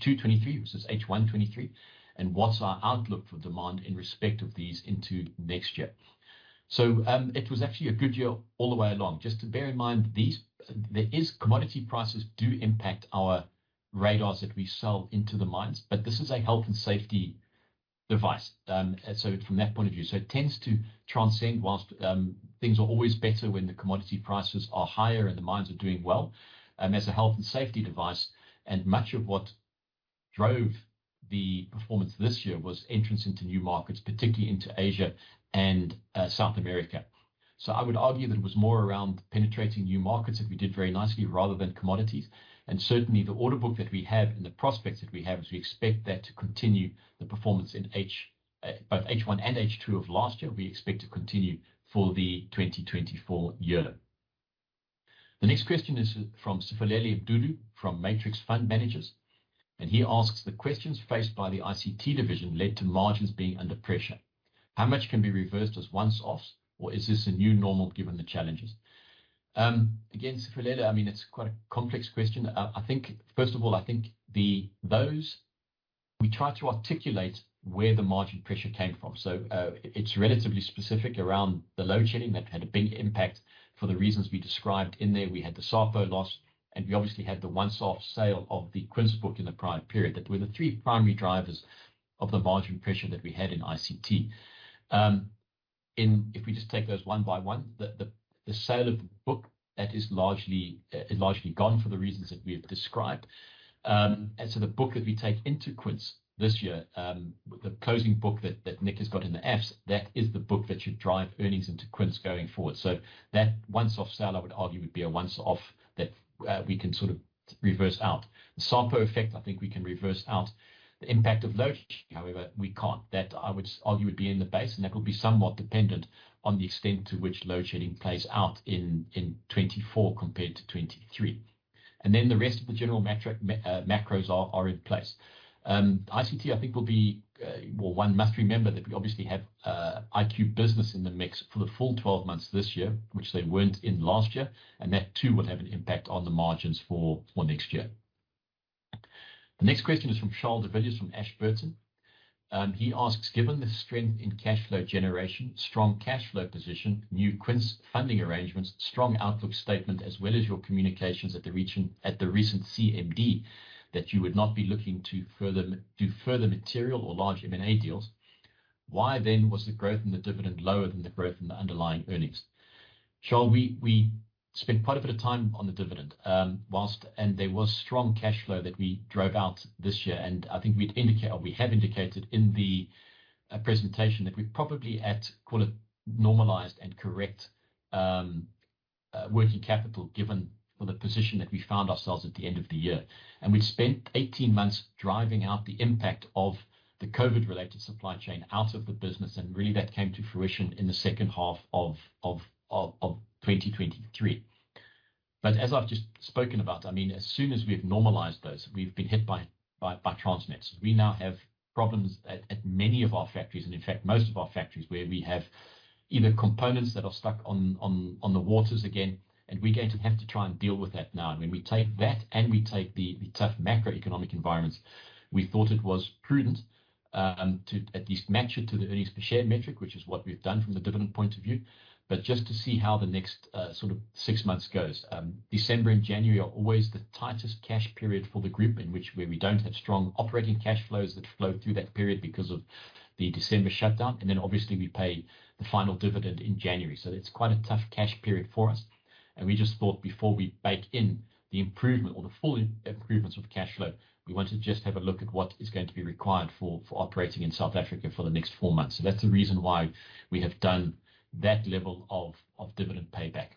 2023, and what's our outlook for demand in respect of these into next year? So, it was actually a good year all the way along. Just to bear in mind, commodity prices do impact our radars that we sell into the mines, but this is a health and safety device, and so from that point of view, so it tends to transcend. Whilst, things are always better when the commodity prices are higher and the mines are doing well, as a health and safety device, and much of what drove the performance this year was entrance into new markets, particularly into Asia and South America. So I would argue that it was more around penetrating new markets that we did very nicely, rather than commodities. And certainly, the order book that we have and the prospects that we have is we expect that to continue the performance in H both H1 and H2 of last year; we expect to continue for the 2024 year. The next question is from Sipholeli Abdull from Matrix Fund Managers. And he asks: The questions faced by the ICT division led to margins being under pressure. How much can be reversed as once-offs, or is this a new normal given the challenges? Again, Sipholeli, I mean, it's quite a complex question. I think, first of all, I think those we tried to articulate where the margin pressure came from. So, it's relatively specific around the load shedding that had a big impact for the reasons we described in there. We had the SAPO loss, and we obviously had the once-off sale of the Quince book in the prior period. That were the three primary drivers of the margin pressure that we had in ICT. And if we just take those one by one, the sale of the book, that is largely is largely gone for the reasons that we have described. And so the book that we take into Quince this year, the closing book that Nick has got in the AFS, that is the book that should drive earnings into Quince going forward. So that once-off sale, I would argue, would be a once off that we can sort of reverse out. The SAPO effect, I think we can reverse out. The impact of load shedding, however, we can't. That I would argue, would be in the base, and that will be somewhat dependent on the extent to which load shedding plays out in 2024 compared to 2023. And then the rest of the general metric, macros are in place. ICT, I think will be, well, one must remember that we obviously have IQbusiness in the mix for the full 12 months this year, which they weren't in last year, and that too, will have an impact on the margins for next year. The next question is from Charl de Villiers, from Ashburton. He asks: Given the strength in cash flow generation, strong cash flow position, new Quince funding arrangements, strong outlook statement, as well as your communications at the recent CMD, that you would not be looking to do further material or large M&A deals, why then was the growth in the dividend lower than the growth in the underlying earnings? Charles, we spent quite a bit of time on the dividend, while. There was strong cash flow that we drove out this year, and I think we'd indicate or we have indicated in the presentation that we're probably at, call it, normalized and correct working capital, given the position that we found ourselves at the end of the year. We'd spent 18 months driving out the impact of the COVID-related supply chain out of the business, and really, that came to fruition in the second half of 2023. But as I've just spoken about, I mean, as soon as we've normalized those, we've been hit by Transnet's. We now have problems at many of our factories, and in fact, most of our factories, where we have either components that are stuck on the waters again, and we're going to have to try and deal with that now. When we take that and we take the tough macroeconomic environments, we thought it was prudent to at least match it to the earnings per share metric, which is what we've done from the dividend point of view. But just to see how the next sort of six months goes. December and January are always the tightest cash period for the group, in which where we don't have strong operating cash flows that flow through that period because of the December shutdown, and then obviously we pay the final dividend in January. So it's quite a tough cash period for us, and we just thought before we bake in the improvement or the full improvements with cash flow, we want to just have a look at what is going to be required for operating in South Africa for the next four months. So that's the reason why we have done that level of dividend payback.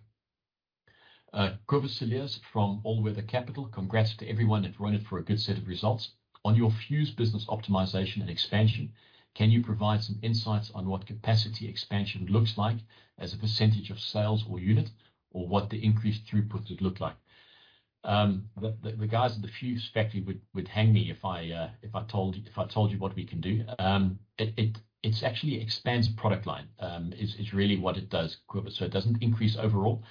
Kobus Cilliers from Allweather Capital: Congrats to everyone at Reunert for a good set of results. On your fuse business optimization and expansion, can you provide some insights on what capacity expansion looks like as a percentage of sales or unit, or what the increased throughput would look like? The guys at the fuse factory would hang me if I told you what we can do. It's actually expands product line, is really what it does, Kobus, so it doesn't increase overall.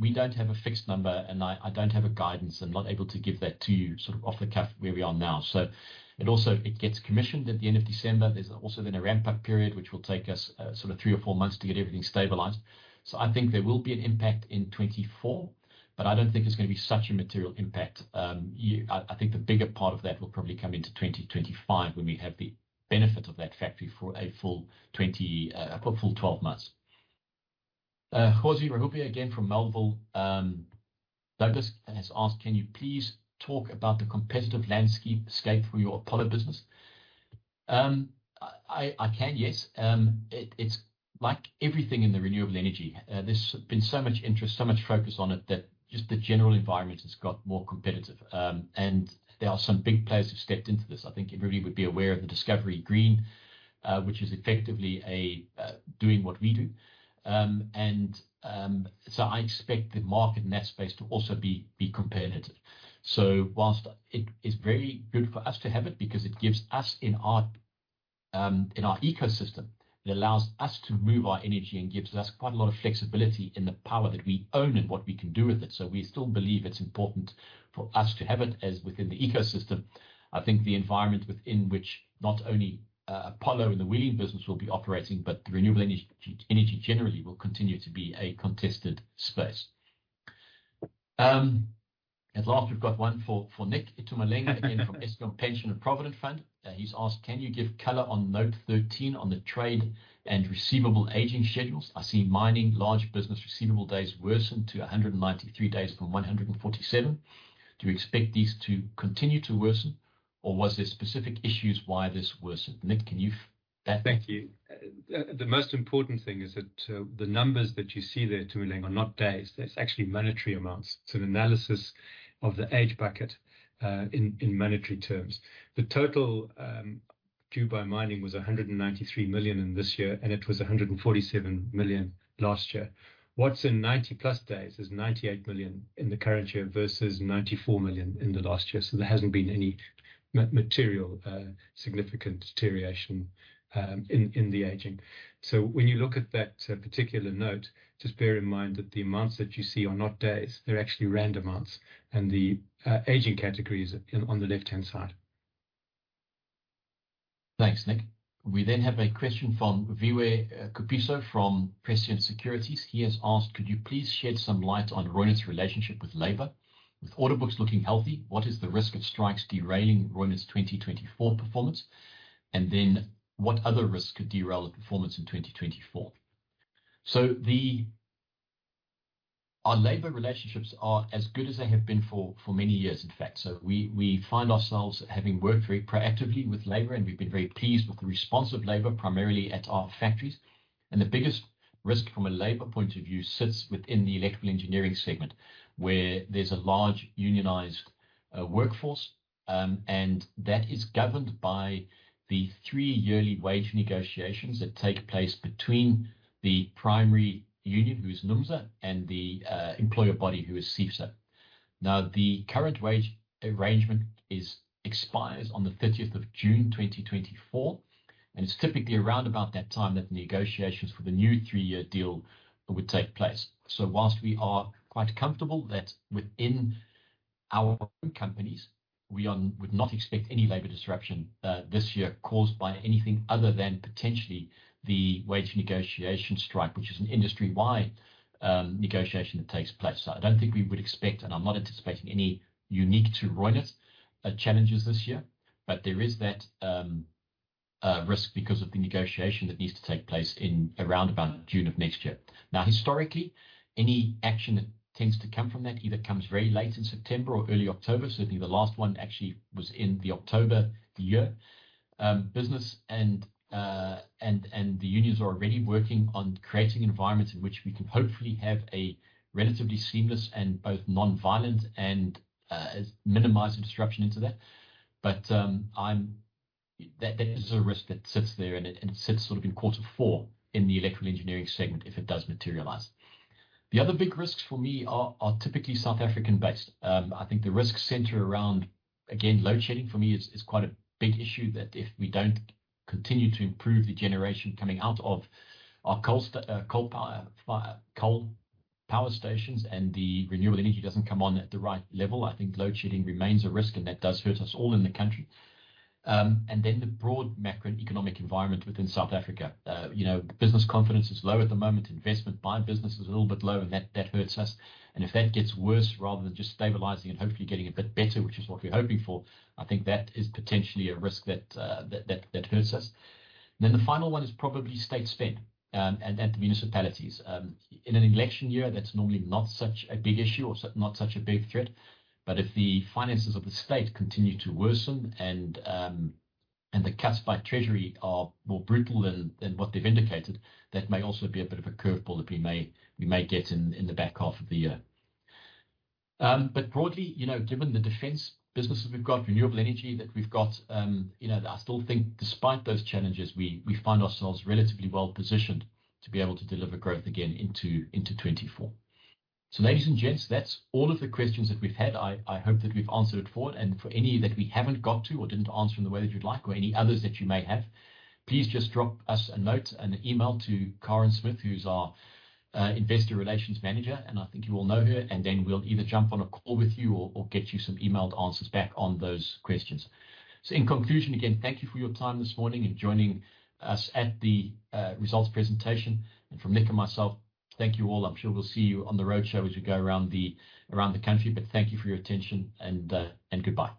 We don't have a fixed number, and I don't have a guidance. I'm not able to give that to you sort of off the cuff where we are now. So it also, it gets commissioned at the end of December. There's also then a ramp-up period, which will take us sort of three or four months to get everything stabilized. So I think there will be an impact in 2024, but I don't think it's gonna be such a material impact. I think the bigger part of that will probably come into 2025, when we have the benefit of that factory for a full 20 months, a full 12 months. Khosie Rahube again from Melville Douglas has asked: Can you please talk about the competitive landscape for your Apollo business? I can, yes. It's like everything in the renewable energy, there's been so much interest, so much focus on it, that just the general environment has got more competitive. And there are some big players who've stepped into this. I think everybody would be aware of the Discovery Green, which is effectively a doing what we do. So I expect the market net space to also be competitive. So while it is very good for us to have it, because it gives us in our ecosystem, it allows us to move our energy and gives us quite a lot of flexibility in the power that we own and what we can do with it. So we still believe it's important for us to have it as within the ecosystem. I think the environment within which not only Apollo and the Wheeling business will be operating, but the renewable energy, energy generally will continue to be a contested space. And last, we've got one for Nick, Itumeleng, again, from Eskom Pension and Provident Fund. He's asked: Can you give color on note 13 on the trade and receivable aging schedules? I see mining large business receivable days worsened to 193 days from 147 days. Do you expect these to continue to worsen, or was there specific issues why this worsened? Nick, can you that- Thank you. The most important thing is that the numbers that you see there, Itumeleng, are not days. That's actually monetary amounts. It's an analysis of the age bucket in monetary terms. The total due by mining was 193 million in this year, and it was 147 million last year. What's in 90+ days is 98 million in the current year versus 94 million in the last year, so there hasn't been any material significant deterioration in the aging. So when you look at that particular note, just bear in mind that the amounts that you see are not days, they're actually rand amounts, and the aging categories are on the left-hand side. Thanks, Nick. We then have a question from Viwe Kupiso, from Prescient Securities. He has asked: Could you please shed some light on Reunert's relationship with labor? With order books looking healthy, what is the risk of strikes derailing Reunert's 2024 performance? And then, what other risk could derail the performance in 2024? So our labor relationships are as good as they have been for many years, in fact. So we find ourselves having worked very proactively with labor, and we've been very pleased with the response of labor, primarily at our factories. And the biggest risk from a labor point of view sits within the electrical engineering segment, where there's a large unionized workforce, and that is governed by the three-yearly wage negotiations that take place between the primary union, who is NUMSA, and the employer body, who is SEIFSA. Now, the current wage arrangement is, expires on the 30th of June 2024, and it's typically around about that time that negotiations for the new 3-year deal would take place. So while we are quite comfortable that within our companies, we are, would not expect any labor disruption, this year caused by anything other than potentially the wage negotiation strike, which is an industry-wide, negotiation that takes place. So I don't think we would expect, and I'm not anticipating any unique to Reunert, challenges this year, but there is that, risk because of the negotiation that needs to take place in around about June of next year. Now, historically, any action that tends to come from that either comes very late in September or early October. Certainly, the last one actually was in the October year. Business and the unions are already working on creating environments in which we can hopefully have a relatively seamless and both non-violent and minimize the disruption into that. But that is a risk that sits there, and it sits sort of in quarter four in the Electrical Engineering segment if it does materialize. The other big risks for me are typically South African-based. I think the risks center around, again, load shedding for me is quite a big issue, that if we don't continue to improve the generation coming out of our coal-fired power stations, and the renewable energy doesn't come on at the right level, I think load shedding remains a risk, and that does hurt us all in the country. And then the broad macroeconomic environment within South Africa. You know, business confidence is low at the moment. Investment by business is a little bit low, and that hurts us. And if that gets worse, rather than just stabilizing and hopefully getting a bit better, which is what we're hoping for, I think that is potentially a risk that that hurts us. Then the final one is probably state spend at the municipalities. In an election year, that's normally not such a big issue or so not such a big threat. But if the finances of the state continue to worsen and the National Treasury are more brutal than what they've indicated, that may also be a bit of a curveball that we may get in the back half of the year. But broadly, you know, given the defense businesses we've got, renewable energy that we've got, you know, I still think despite those challenges, we find ourselves relatively well positioned to be able to deliver growth again into 2024. So ladies and gents, that's all of the questions that we've had. I hope that we've answered it for it. For any that we haven't got to or didn't answer in the way that you'd like, or any others that you may have, please just drop us a note and an email to Karen Smith, who's our investor relations manager, and I think you all know her. And then we'll either jump on a call with you or get you some emailed answers back on those questions. So in conclusion, again, thank you for your time this morning in joining us at the results presentation. And from Nick and myself, thank you all. I'm sure we'll see you on the roadshow as we go around the country, but thank you for your attention, and goodbye.